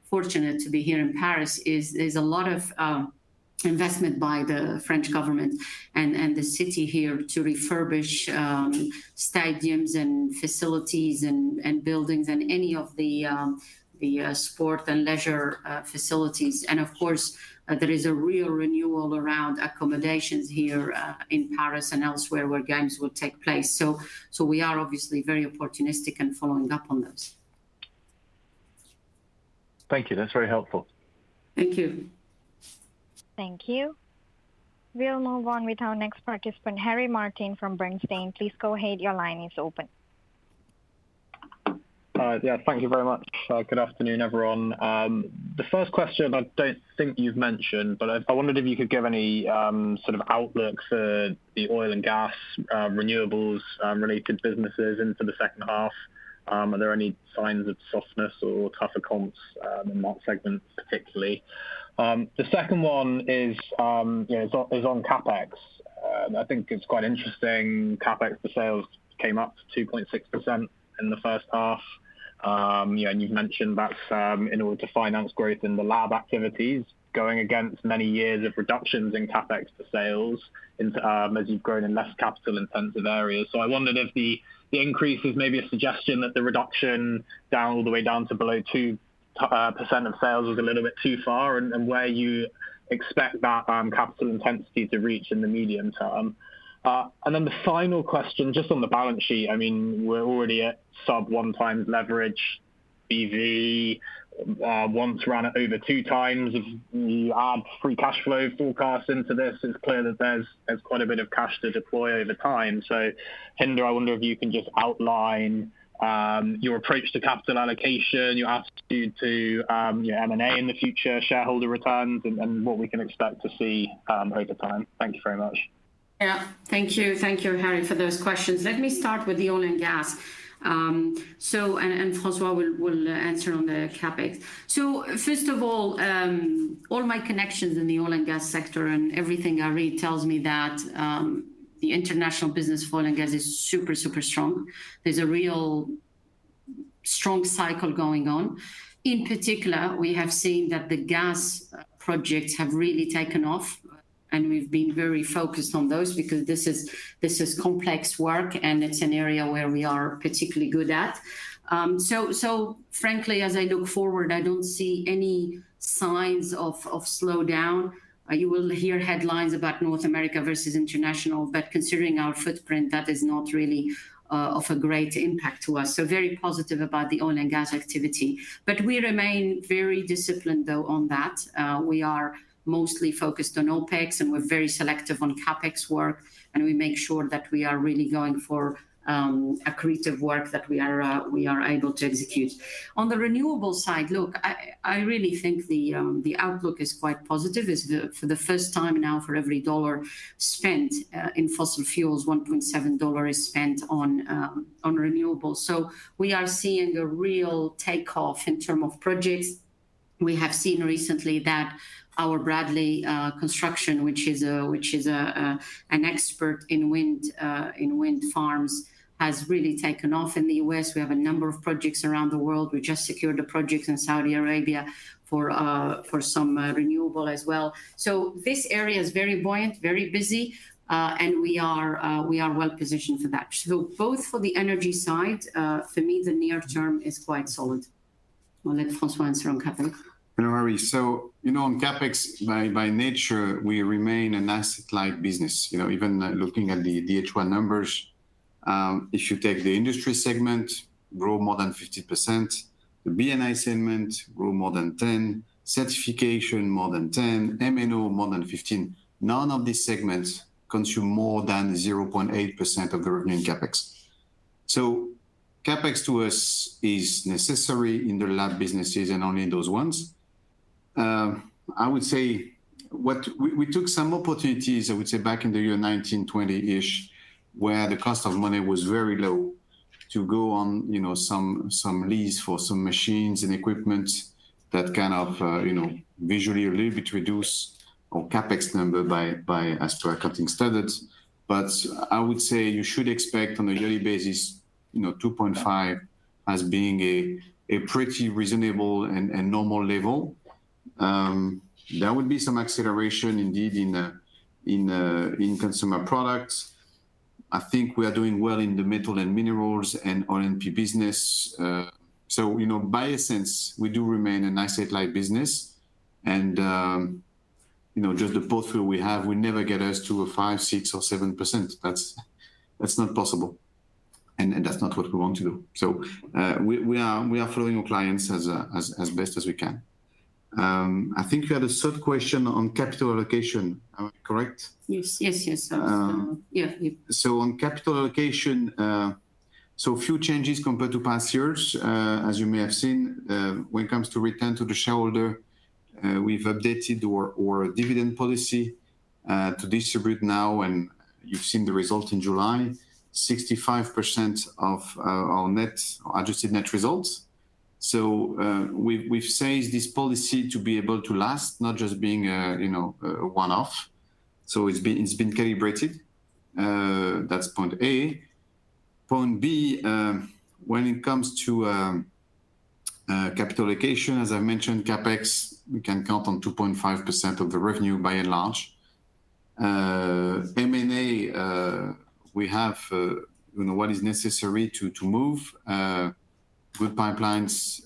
fortunate to be here in Paris, is there's a lot of investment by the French government and the city here to refurbish stadiums and facilities and buildings and any of the sport and leisure facilities. Of course, there is a real renewal around accommodations here, in Paris and elsewhere, where games will take place. We are obviously very opportunistic and following up on those. Thank you. That's very helpful. Thank you. Thank you. We'll move on with our next participant, Harry Martin from Bernstein. Please go ahead. Your line is open. Yeah, thank you very much. Good afternoon, everyone. The first question, I don't think you've mentioned, but I wondered if you could give any sort of outlook for the oil and gas, renewables, related businesses into the second half. Are there any signs of softness or tougher comps in that segment, particularly? The second one is, yeah, is on CapEx. I think it's quite interesting, CapEx for sales came up to 2.6% in the first half. Yeah, and you've mentioned that in order to finance growth in the lab activities, going against many years of reductions in CapEx for sales into as you've grown in less capital-intensive areas. I wondered if the increase is maybe a suggestion that the reduction down, all the way down to below 2% of sales was a little bit too far, and where you expect that capital intensity to reach in the medium term. Then the final question, just on the balance sheet, I mean, we're already at sub one times leverage EV. Once run at over two times of free cash flow forecast into this, it's clear that there's quite a bit of cash to deploy over time. Hinda, I wonder if you can just outline your approach to capital allocation, your attitude to your M&A in the future, shareholder returns, and what we can expect to see over time. Thank you very much. Yeah. Thank you. Thank you, Harry, for those questions. Let me start with the oil and gas. Francois will answer on the CapEx. First of all my connections in the oil and gas sector and everything I read tells me that the international business for oil and gas is super strong. There's a real strong cycle going on. In particular, we have seen that the gas projects have really taken off, and we've been very focused on those because this is complex work, and it's an area where we are particularly good at. Frankly, as I look forward, I don't see any signs of slowdown. You will hear headlines about North America versus international, but considering our footprint, that is not really of a great impact to us. Very positive about the oil and gas activity. We remain very disciplined, though, on that. We are mostly focused on OpEx, and we're very selective on CapEx work, and we make sure that we are really going for accretive work that we are able to execute. On the renewable side, look, I really think the outlook is quite positive. For the first time now, for every dollar spent in fossil fuels, $1.7 is spent on renewables. We are seeing a real takeoff in term of projects. We have seen recently that our Bradley Construction, which is an expert in wind farms, has really taken off in the U.S. We have a number of projects around the world. We just secured a project in Saudi Arabia for for some renewable as well. This area is very buoyant, very busy, and we are well positioned for that. Both for the energy side, for me, the near term is quite solid. We'll let François answer on CapEx. No worry. You know, on CapEx, by nature, we remain an asset-light business. You know, even looking at the H1 numbers, if you take the industry segment, grow more than 50%, the B&I segment grew more than 10%, certification more than 10%, M&O more than 15%. None of these segments consume more than 0.8% of the revenue in CapEx. CapEx to us is necessary in the lab businesses and only in those ones. We took some opportunities, I would say, back in the year 1920-ish, where the cost of money was very low, to go on, you know, some lease for some machines and equipment that kind of, visually a little bit reduce our CapEx number by, as per accounting standards. I would say you should expect on a yearly basis, you know, 2.5 as being a pretty reasonable and normal level. There would be some acceleration indeed in Consumer Products. I think we are doing well in the metal and minerals and O&P business. You know, by a sense, we do remain an asset-light business, and, you know, just the portfolio we have will never get us to a 5%, 6%, or 7%. That's not possible, and that's not what we want to do. We are following our clients as best as we can. I think you had a third question on capital allocation. Am I correct? Yes. Yes, yes, yeah. On capital allocation, so a few changes compared to past years. As you may have seen, when it comes to return to the shareholder, we've updated our dividend policy to distribute now, and you've seen the result in July, 65% of our net, adjusted net results. We've set this policy to be able to last, not just being a, you know, a one-off. It's been calibrated. That's point A. Point B, when it comes to capital allocation, as I mentioned, CapEx, we can count on 2.5% of the revenue, by and large. M&A, we have, you know, what is necessary to move. With pipelines,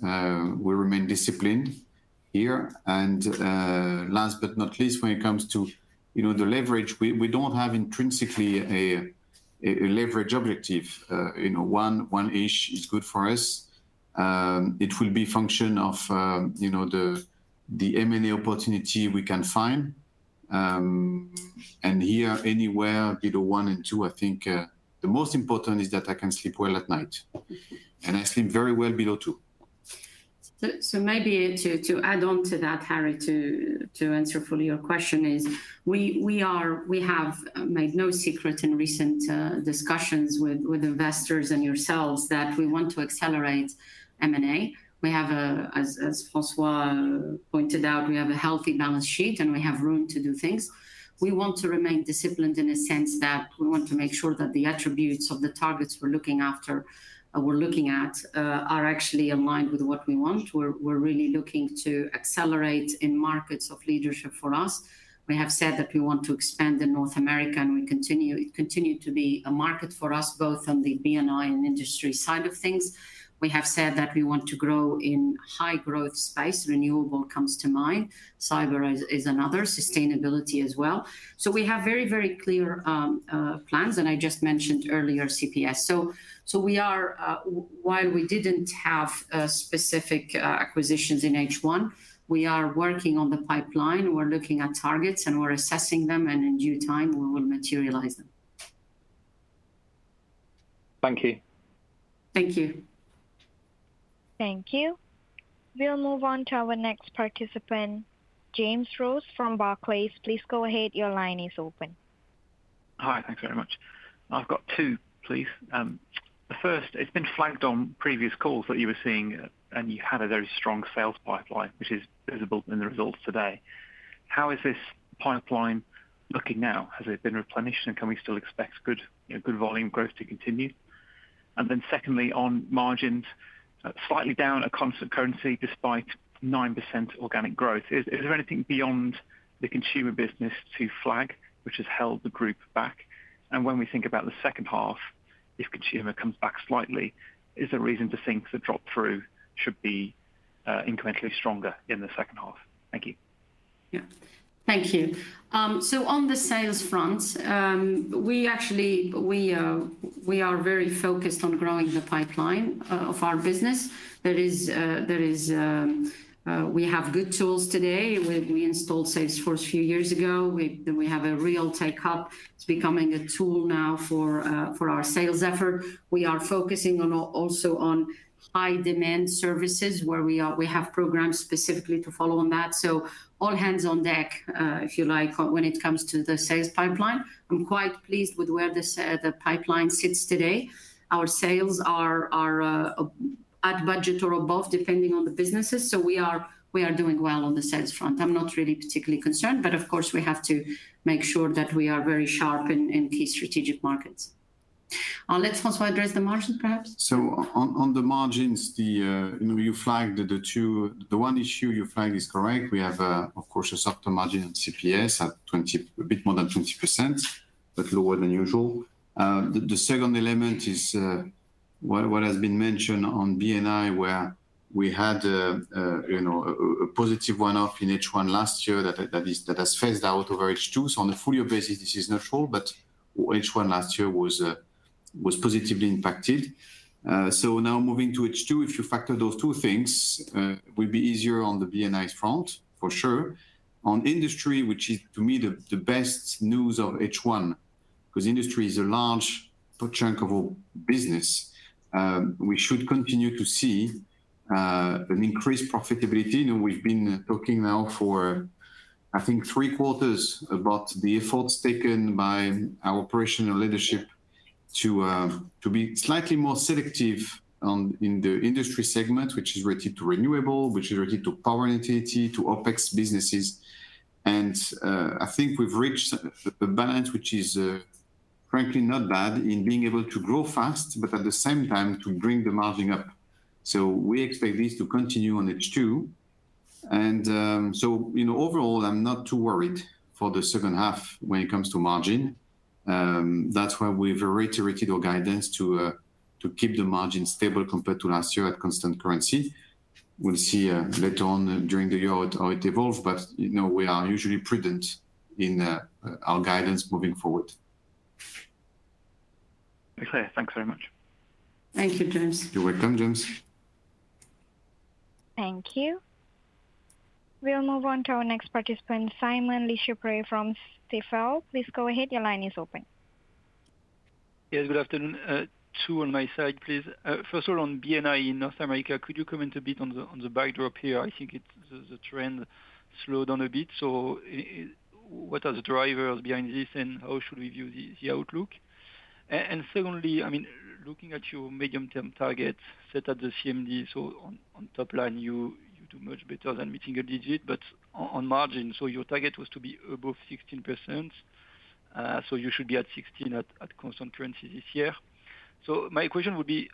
we remain disciplined here. Last but not least, when it comes to, you know, the leverage, we don't have intrinsically a leverage objective. You know, one-ish is good for us. It will be function of, you know, the M&A opportunity we can find. Here, anywhere below one and two, I think, the most important is that I can sleep well at night, and I sleep very well below two. Maybe to add on to that, Harry, to answer fully your question is: we have made no secret in recent discussions with investors and yourselves that we want to accelerate M&A. As François pointed out, we have a healthy balance sheet, and we have room to do things. We want to remain disciplined in a sense that we want to make sure that the attributes of the targets we're looking after, we're looking at, are actually aligned with what we want. We're really looking to accelerate in markets of leadership for us. We have said that we want to expand in North America, and it continue to be a market for us, both on the B&I and industry side of things. We have said that we want to grow in high-growth space. Renewable comes to mind. Cyber is another. Sustainability as well. We have very clear plans. I just mentioned earlier, CPS. While we didn't have specific acquisitions in H1, we are working on the pipeline. We're looking at targets, we're assessing them, and in due time, we will materialize them. Thank you. Thank you. Thank you. We'll move on to our next participant, James Rose from Barclays. Please go ahead. Your line is open. Hi. Thanks very much. I've got two, please. The first, it's been flagged on previous calls that you were seeing, and you had a very strong sales pipeline, which is visible in the results today. How is this pipeline looking now? Has it been replenished, and can we still expect good, you know, good volume growth to continue? Secondly, on margins, slightly down at constant currency, despite 9% organic growth. Is there anything beyond the consumer business to flag, which has held the group back? When we think about the second half, if consumer comes back slightly, is there reason to think the drop-through should be incrementally stronger in the second half? Thank you. Yeah. Thank you. On the sales front, we actually are very focused on growing the pipeline of our business. We have good tools today. We installed Salesforce a few years ago. We have a real take-up. It's becoming a tool now for our sales effort. We are focusing on, also on high demand services where we have programs specifically to follow on that. All hands on deck, if you like, when it comes to the sales pipeline. I'm quite pleased with where the pipeline sits today. Our sales are at budget or above, depending on the businesses, we are doing well on the sales front. I'm not really particularly concerned, but of course, we have to make sure that we are very sharp in key strategic markets. Let's also address the margins, perhaps. On the margins, you know, the one issue you flagged is correct. We have, of course, a softer margin on CPS at 20, a bit more than 20%, but lower than usual. The second element is what has been mentioned on B&I, where we had, you know, a positive one-off in H1 last year that has phased out over H2. On a full-year basis, this is natural, but H1 last year was positively impacted. Now moving to H2, if you factor those two things, will be easier on the B&I front, for sure. On industry, which is to me, the best news of H1, because industry is a large chunk of our business, we should continue to see an increased profitability. You know, we've been talking now for, I think, three quarters about the efforts taken by our operational leadership to be slightly more selective on, in the industry segment, which is related to renewable, which is related to power entity, to OpEx businesses. I think we've reached a balance, which is frankly, not bad in being able to grow fast, but at the same time to bring the margin up. We expect this to continue on H2. You know, overall, I'm not too worried for the second half when it comes to margin. That's why we've reiterated our guidance to keep the margin stable compared to last year at constant currency. We'll see later on during the year how it evolves, you know, we are usually prudent in our guidance moving forward. Okay. Thanks very much. Thank you, James. You're welcome, James. Thank you. We'll move on to our next participant, Simon Lechipre from Stifel. Please go ahead. Your line is open. Yes, good afternoon. Two on my side, please. First of all, on B&I in North America, could you comment a bit on the backdrop here? I think the trend slowed down a bit. What are the drivers behind this, and how should we view the outlook? Secondly, I mean, looking at your medium-term target set at the CMD, on top line, you do much better than meeting a digit, but on margin, your target was to be above 16%. You should be at 16% at constant currency this year. My question would be,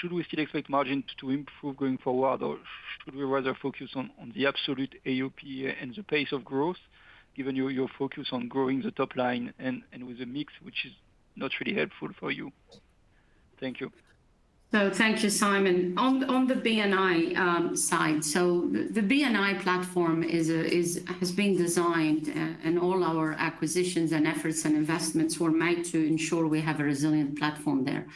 should we still expect margins to improve going forward, or should we rather focus on the absolute AUP and the pace of growth, given your focus on growing the top line and with a mix which is not really helpful for you? Thank you. Thank you, Simon. On the B&I side, the B&I platform is, has been designed, and all our acquisitions and efforts, and investments were made to ensure we have a resilient platform there.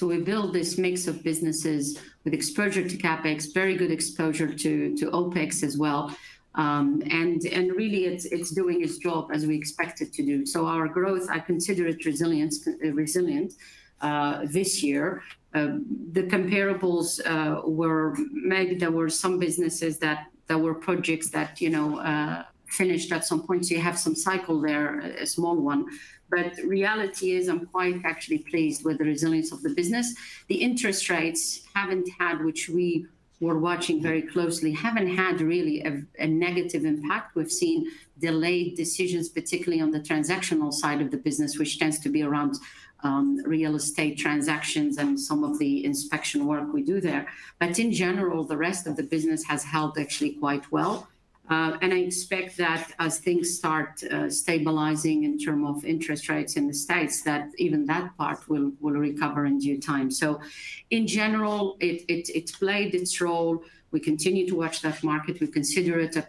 We build this mix of businesses with exposure to CapEx, very good exposure to OpEx as well. Really, it's doing its job as we expect it to do. Our growth, I consider it resilience, resilient this year. The comparables were made. There were some businesses that there were projects that, you know, finished at some point, so you have some cycle there, a small one. Reality is I'm quite actually pleased with the resilience of the business. The interest rates haven't had, which we were watching very closely, haven't had really a negative impact. We've seen delayed decisions, particularly on the transactional side of the business, which tends to be around real estate transactions and some of the inspection work we do there. In general, the rest of the business has held actually quite well. And I expect that as things start stabilizing in term of interest rates in the States, that even that part will recover in due time. In general, it's played its role. We continue to watch that market. We consider it a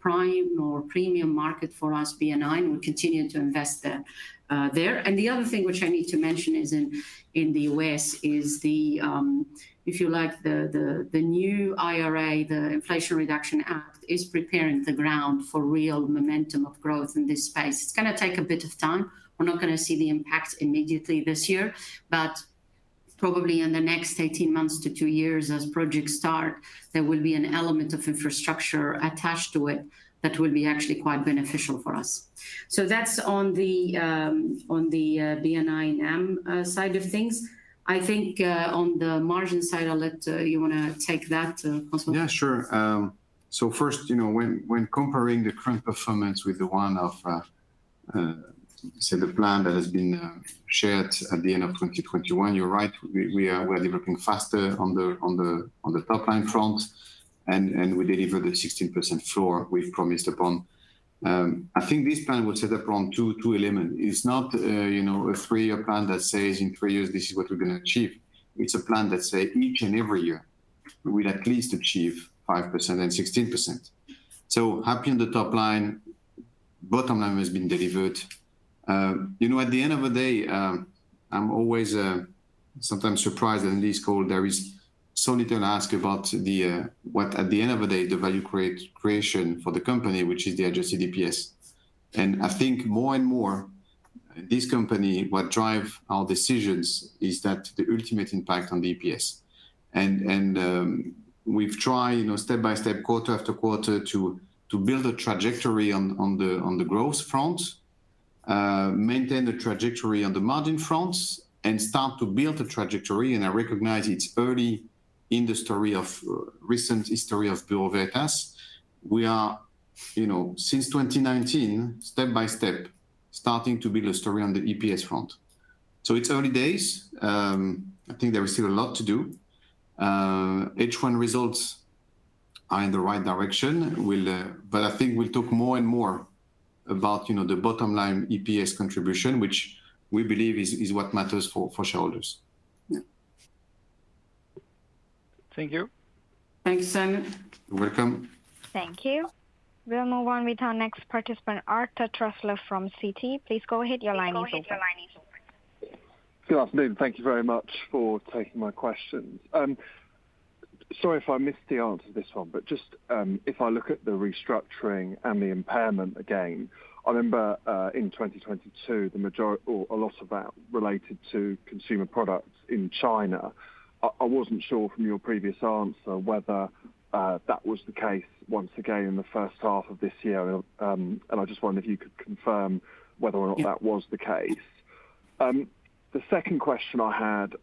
prime or premium market for us, B&I, and we continue to invest there. The other thing which I need to mention is in the U.S., is the, if you like, the new IRA, the Inflation Reduction Act, is preparing the ground for real momentum of growth in this space. It's gonna take a bit of time. We're not gonna see the impact immediately this year, but probably in the next 18 months to two years as projects start, there will be an element of infrastructure attached to it that will be actually quite beneficial for us. That's on the on the B&I side of things. I think on the margin side, I'll let... You want to take that, Cosmo? Yeah, sure. First, you know, when comparing the current performance with the one of, the plan that has been shared at the end of 2021, you're right, we're delivering faster on the top line front, and we deliver the 16% floor we've promised upon. I think this plan will set up on two element. It's not, you know, a three year plan that says in three years, this is what we're gonna achieve. It's a plan that say each and every year, we'll at least achieve 5% and 16%. Happy on the top line, bottom line has been delivered. you know, at the end of the day, I'm always sometimes surprised that in this call there is so little ask about the what, at the end of the day, the value creation for the company, which is the adjusted EPS. I think more and more, this company, what drive our decisions is that the ultimate impact on the EPS. We've tried, you know, step by step, quarter after quarter, to build a trajectory on the growth front. Maintain the trajectory on the margin front, and start to build a trajectory, and I recognize it's early in the story of recent history of Bureau Veritas. We are, you know, since 2019, step by step, starting to build a story on the EPS front. So it's early days. I think there is still a lot to do. H1 results are in the right direction. I think we'll talk more and more about, you know, the bottom line EPS contribution, which we believe is what matters for shareholders. Yeah. Thank you. Thanks, Simon. You're welcome. Thank you. We'll move on with our next participant, Arthur Truslove from Citi. Please go ahead, your line is open. Good afternoon. Thank you very much for taking my questions. Sorry if I missed the answer to this one, but just, if I look at the restructuring and the impairment again, I remember, in 2022, the majority or a lot of that related to Consumer Products in China. I wasn't sure from your previous answer whether that was the case once again in the first half of this year. I just wondered if you could confirm whether or not... Yeah that was the case. The second question I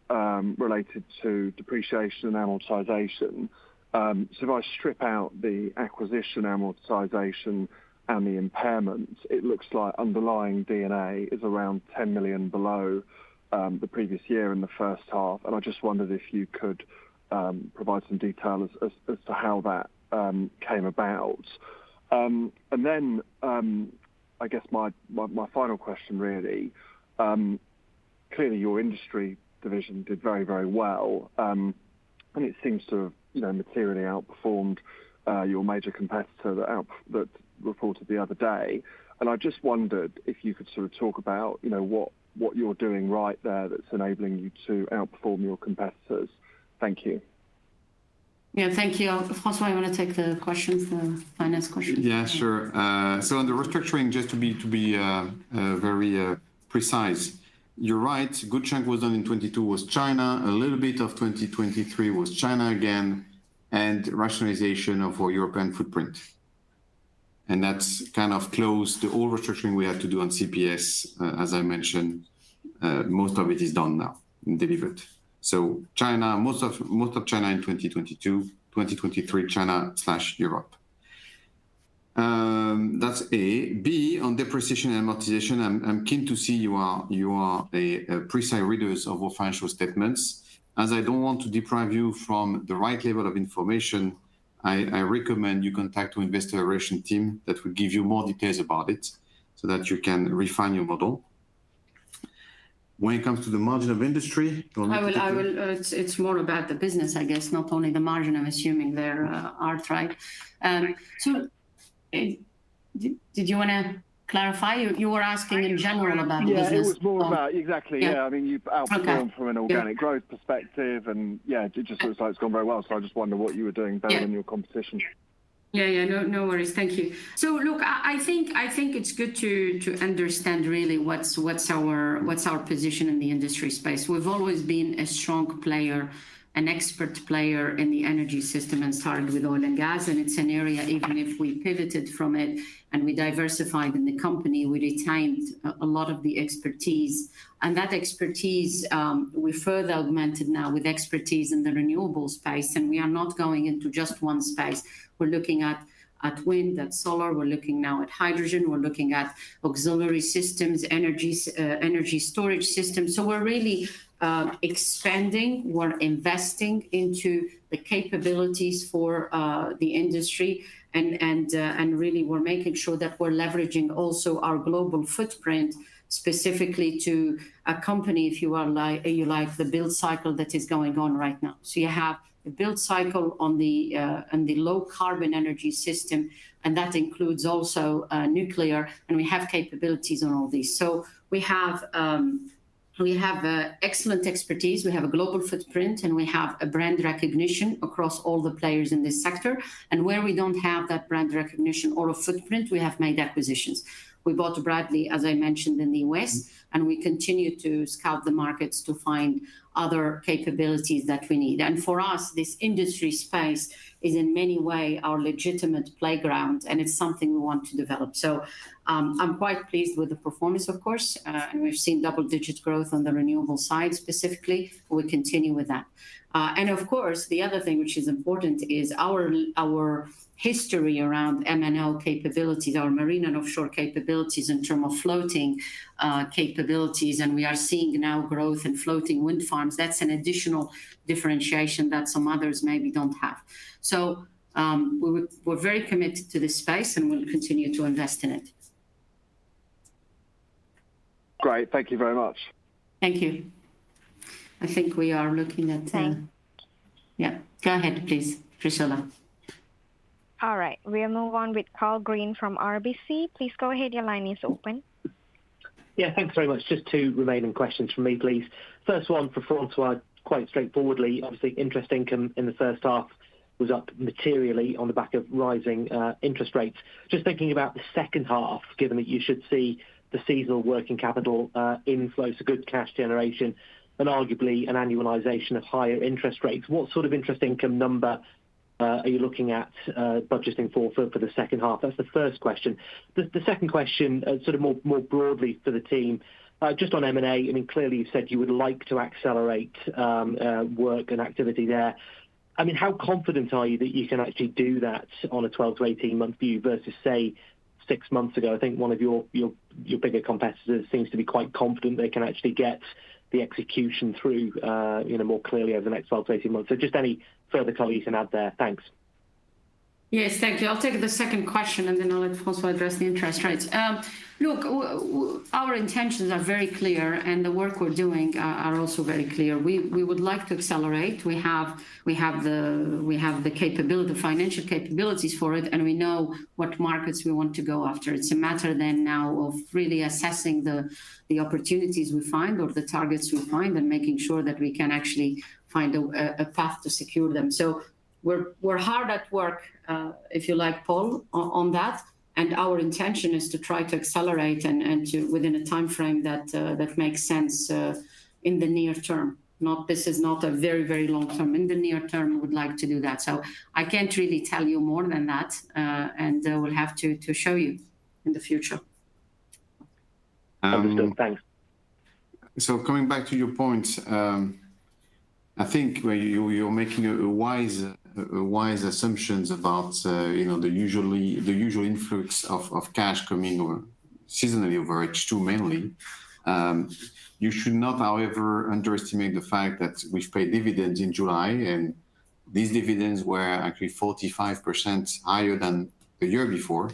had, related to depreciation and amortization. If I strip out the acquisition amortization and the impairment, it looks like underlying D&A is around 10 million below the previous year in the first half. I just wondered if you could provide some detail as to how that came about. Then, I guess my final question, really, clearly, your industry division did very, very well. It seems to have, you know, materially outperformed your major competitor that reported the other day. I just wondered if you could sort of talk about, you know, what you're doing right there that's enabling you to outperform your competitors. Thank you. Yeah. Thank you. François, you want to take the question, the finance question? Yeah, sure. On the restructuring, just to be very precise, you're right. Good chunk was done in 22 was China, a little bit of 2023 was China again, and rationalization of our European footprint. That's kind of close to all restructuring we had to do on CPS, as I mentioned, most of it is done now and delivered. China, most of China in 2022, 2023, China/Europe. That's A. B, on depreciation and amortization, I'm keen to see you are a precise readers of our financial statements. I don't want to deprive you from the right level of information, I recommend you contact our investor relations team that will give you more details about it, so that you can refine your model. When it comes to the margin of industry, do you want me to. I will. It's more about the business, I guess, not only the margin, I'm assuming there, Art, right? Did you wanna clarify? You were asking in general about the business- Yeah. Exactly. Yeah. Yeah, I mean, you've outperformed- Okay. Yeah. From an organic growth perspective, yeah, it just looks like it's gone very well. I just wondered what you were doing better? Yeah than your competition. Yeah, yeah. No, no worries. Thank you. Look, I think it's good to understand really what's our position in the industry space. We've always been a strong player, an expert player in the energy system and started with oil and gas, and it's an area, even if we pivoted from it and we diversified in the company, we retained a lot of the expertise. That expertise, we further augmented now with expertise in the renewables space, and we are not going into just one space. We're looking at wind, at solar, we're looking now at hydrogen, we're looking at auxiliary systems, energy storage systems. We're really expanding, we're investing into the capabilities for the industry, and and really, we're making sure that we're leveraging also our global footprint, specifically to accompany, if you will, you like, the build cycle that is going on right now. You have the build cycle on the on the low-carbon energy system, and that includes also nuclear, and we have capabilities on all these. We have excellent expertise, we have a global footprint, and we have a brand recognition across all the players in this sector. Where we don't have that brand recognition or a footprint, we have made acquisitions. We bought Bradley, as I mentioned, in the West, and we continue to scout the markets to find other capabilities that we need. For us, this industry space is in many way our legitimate playground, and it's something we want to develop. I'm quite pleased with the performance, of course. Sure. We've seen double-digit growth on the renewable side specifically. We'll continue with that. Of course, the other thing which is important is our history around M&O capabilities, our Marine & Offshore capabilities in term of floating capabilities, and we are seeing now growth in floating wind farms. That's an additional differentiation that some others maybe don't have. We're very committed to this space, and we'll continue to invest in it. Great. Thank you very much. Thank you. I think we are looking at. Thank. Yeah, go ahead, please, Priscilla. A ll right. We'll move on with Karl Green from RBC. Please go ahead. Your line is open. Yeah, thanks very much. Just two remaining questions from me, please. First one, for François, quite straightforwardly. Obviously, interest income in the first half was up materially on the back of rising interest rates. Just thinking about the second half, given that you should see the seasonal working capital inflows, a good cash generation, and arguably an annualization of higher interest rates, what sort of interest income number are you looking at, budgeting for the second half? That's the first question. The second question, sort of more broadly for the team, just on M&A. I mean, clearly, you've said you would like to accelerate work and activity there. I mean, how confident are you that you can actually do that on a 12-18 month view versus, say, six months ago? I think one of your bigger competitors seems to be quite confident they can actually get the execution through, you know, more clearly over the next 12 to 18 months. Just any further color you can add there? Thanks. Yes, thank you. I'll take the second question, and then I'll let François address the interest rates. Look, our intentions are very clear, and the work we're doing are also very clear. We would like to accelerate. We have the capability, the financial capabilities for it, and we know what markets we want to go after. It's a matter then now of really assessing the opportunities we find or the targets we find, and making sure that we can actually find a path to secure them. We're hard at work, if you like, Karl, on that, and our intention is to try to accelerate and to within a timeframe that makes sense in the near term. This is not a very, very long term. In the near term, we would like to do that. I can't really tell you more than that, and we'll have to show you in the future. Understood. Thanks. Coming back to your point, I think where you're making a wise assumptions about, you know, the usual influx of cash coming or seasonally over H2 mainly. You should not, however, underestimate the fact that we've paid dividends in July, and these dividends were actually 45% higher than the year before.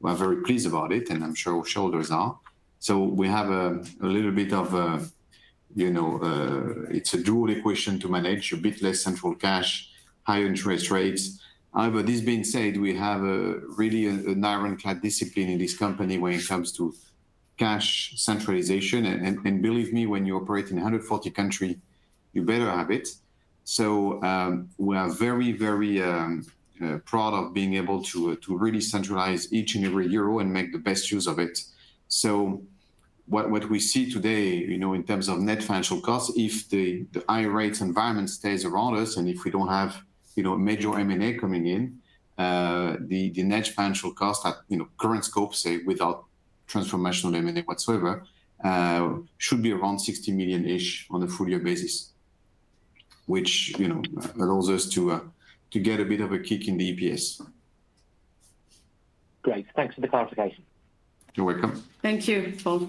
We're very pleased about it, and I'm sure shareholders are. We have a little bit of, you know, it's a dual equation to manage, a bit less central cash, higher interest rates. However, this being said, we have a really an ironclad discipline in this company when it comes to cash centralization, and believe me, when you operate in a 140 country, you better have it. We are very, very proud of being able to really centralize each and every EUR and make the best use of it. What we see today, you know, in terms of net financial costs, if the high rates environment stays around us, and if we don't have, you know, major M&A coming in, the net financial cost at, you know, current scope, say, without transformational M&A whatsoever, should be around 60 million-ish on a full year basis, which, you know, allows us to get a bit of a kick in the EPS. Great. Thanks for the clarification. You're welcome. Thank you, Karl.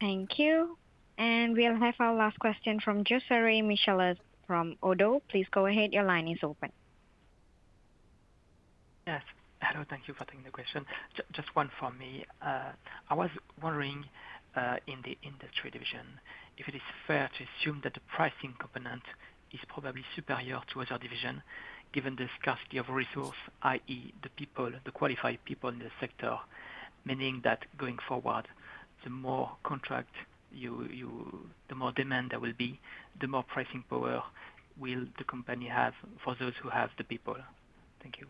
Thank you. We'll have our last question from Geoffroy Michalet from ODDO BHF. Please go ahead. Your line is open. Yes. Hello, thank you for taking the question. Just one from me. I was wondering in the industry division, if it is fair to assume that the pricing component is probably superior to other division, given the scarcity of resource, i.e, the people, the qualified people in this sector, meaning that going forward, the more contract you, the more demand there will be, the more pricing power will the company have for those who have the people? Thank you.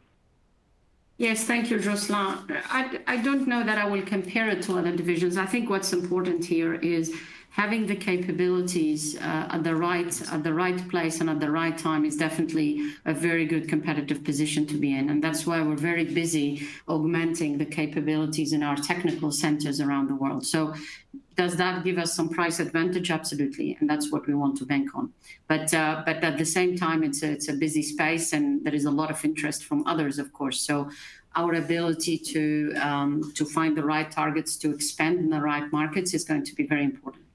Yes, thank you, Jocelyn. I don't know that I will compare it to other divisions. I think what's important here is having the capabilities at the right place and at the right time is definitely a very good competitive position to be in, and that's why we're very busy augmenting the capabilities in our technical centers around the world. Does that give us some price advantage? Absolutely, and that's what we want to bank on. At the same time, it's a busy space, and there is a lot of interest from others, of course. Our ability to find the right targets to expand in the right markets is going to be very important.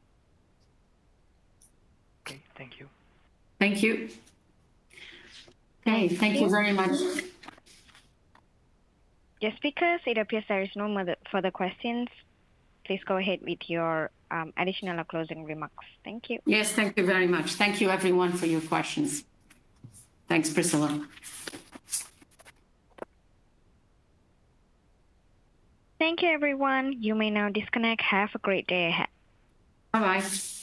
Okay. Thank you. Thank you. Okay. Thank you very much. Yes, because it appears there is no more further questions, please go ahead with your, additional or closing remarks. Thank you. Yes, thank you very much. Thank you everyone for your questions. Thanks, Priscilla. Thank you, everyone. You may now disconnect. Have a great day ahead. Bye-bye.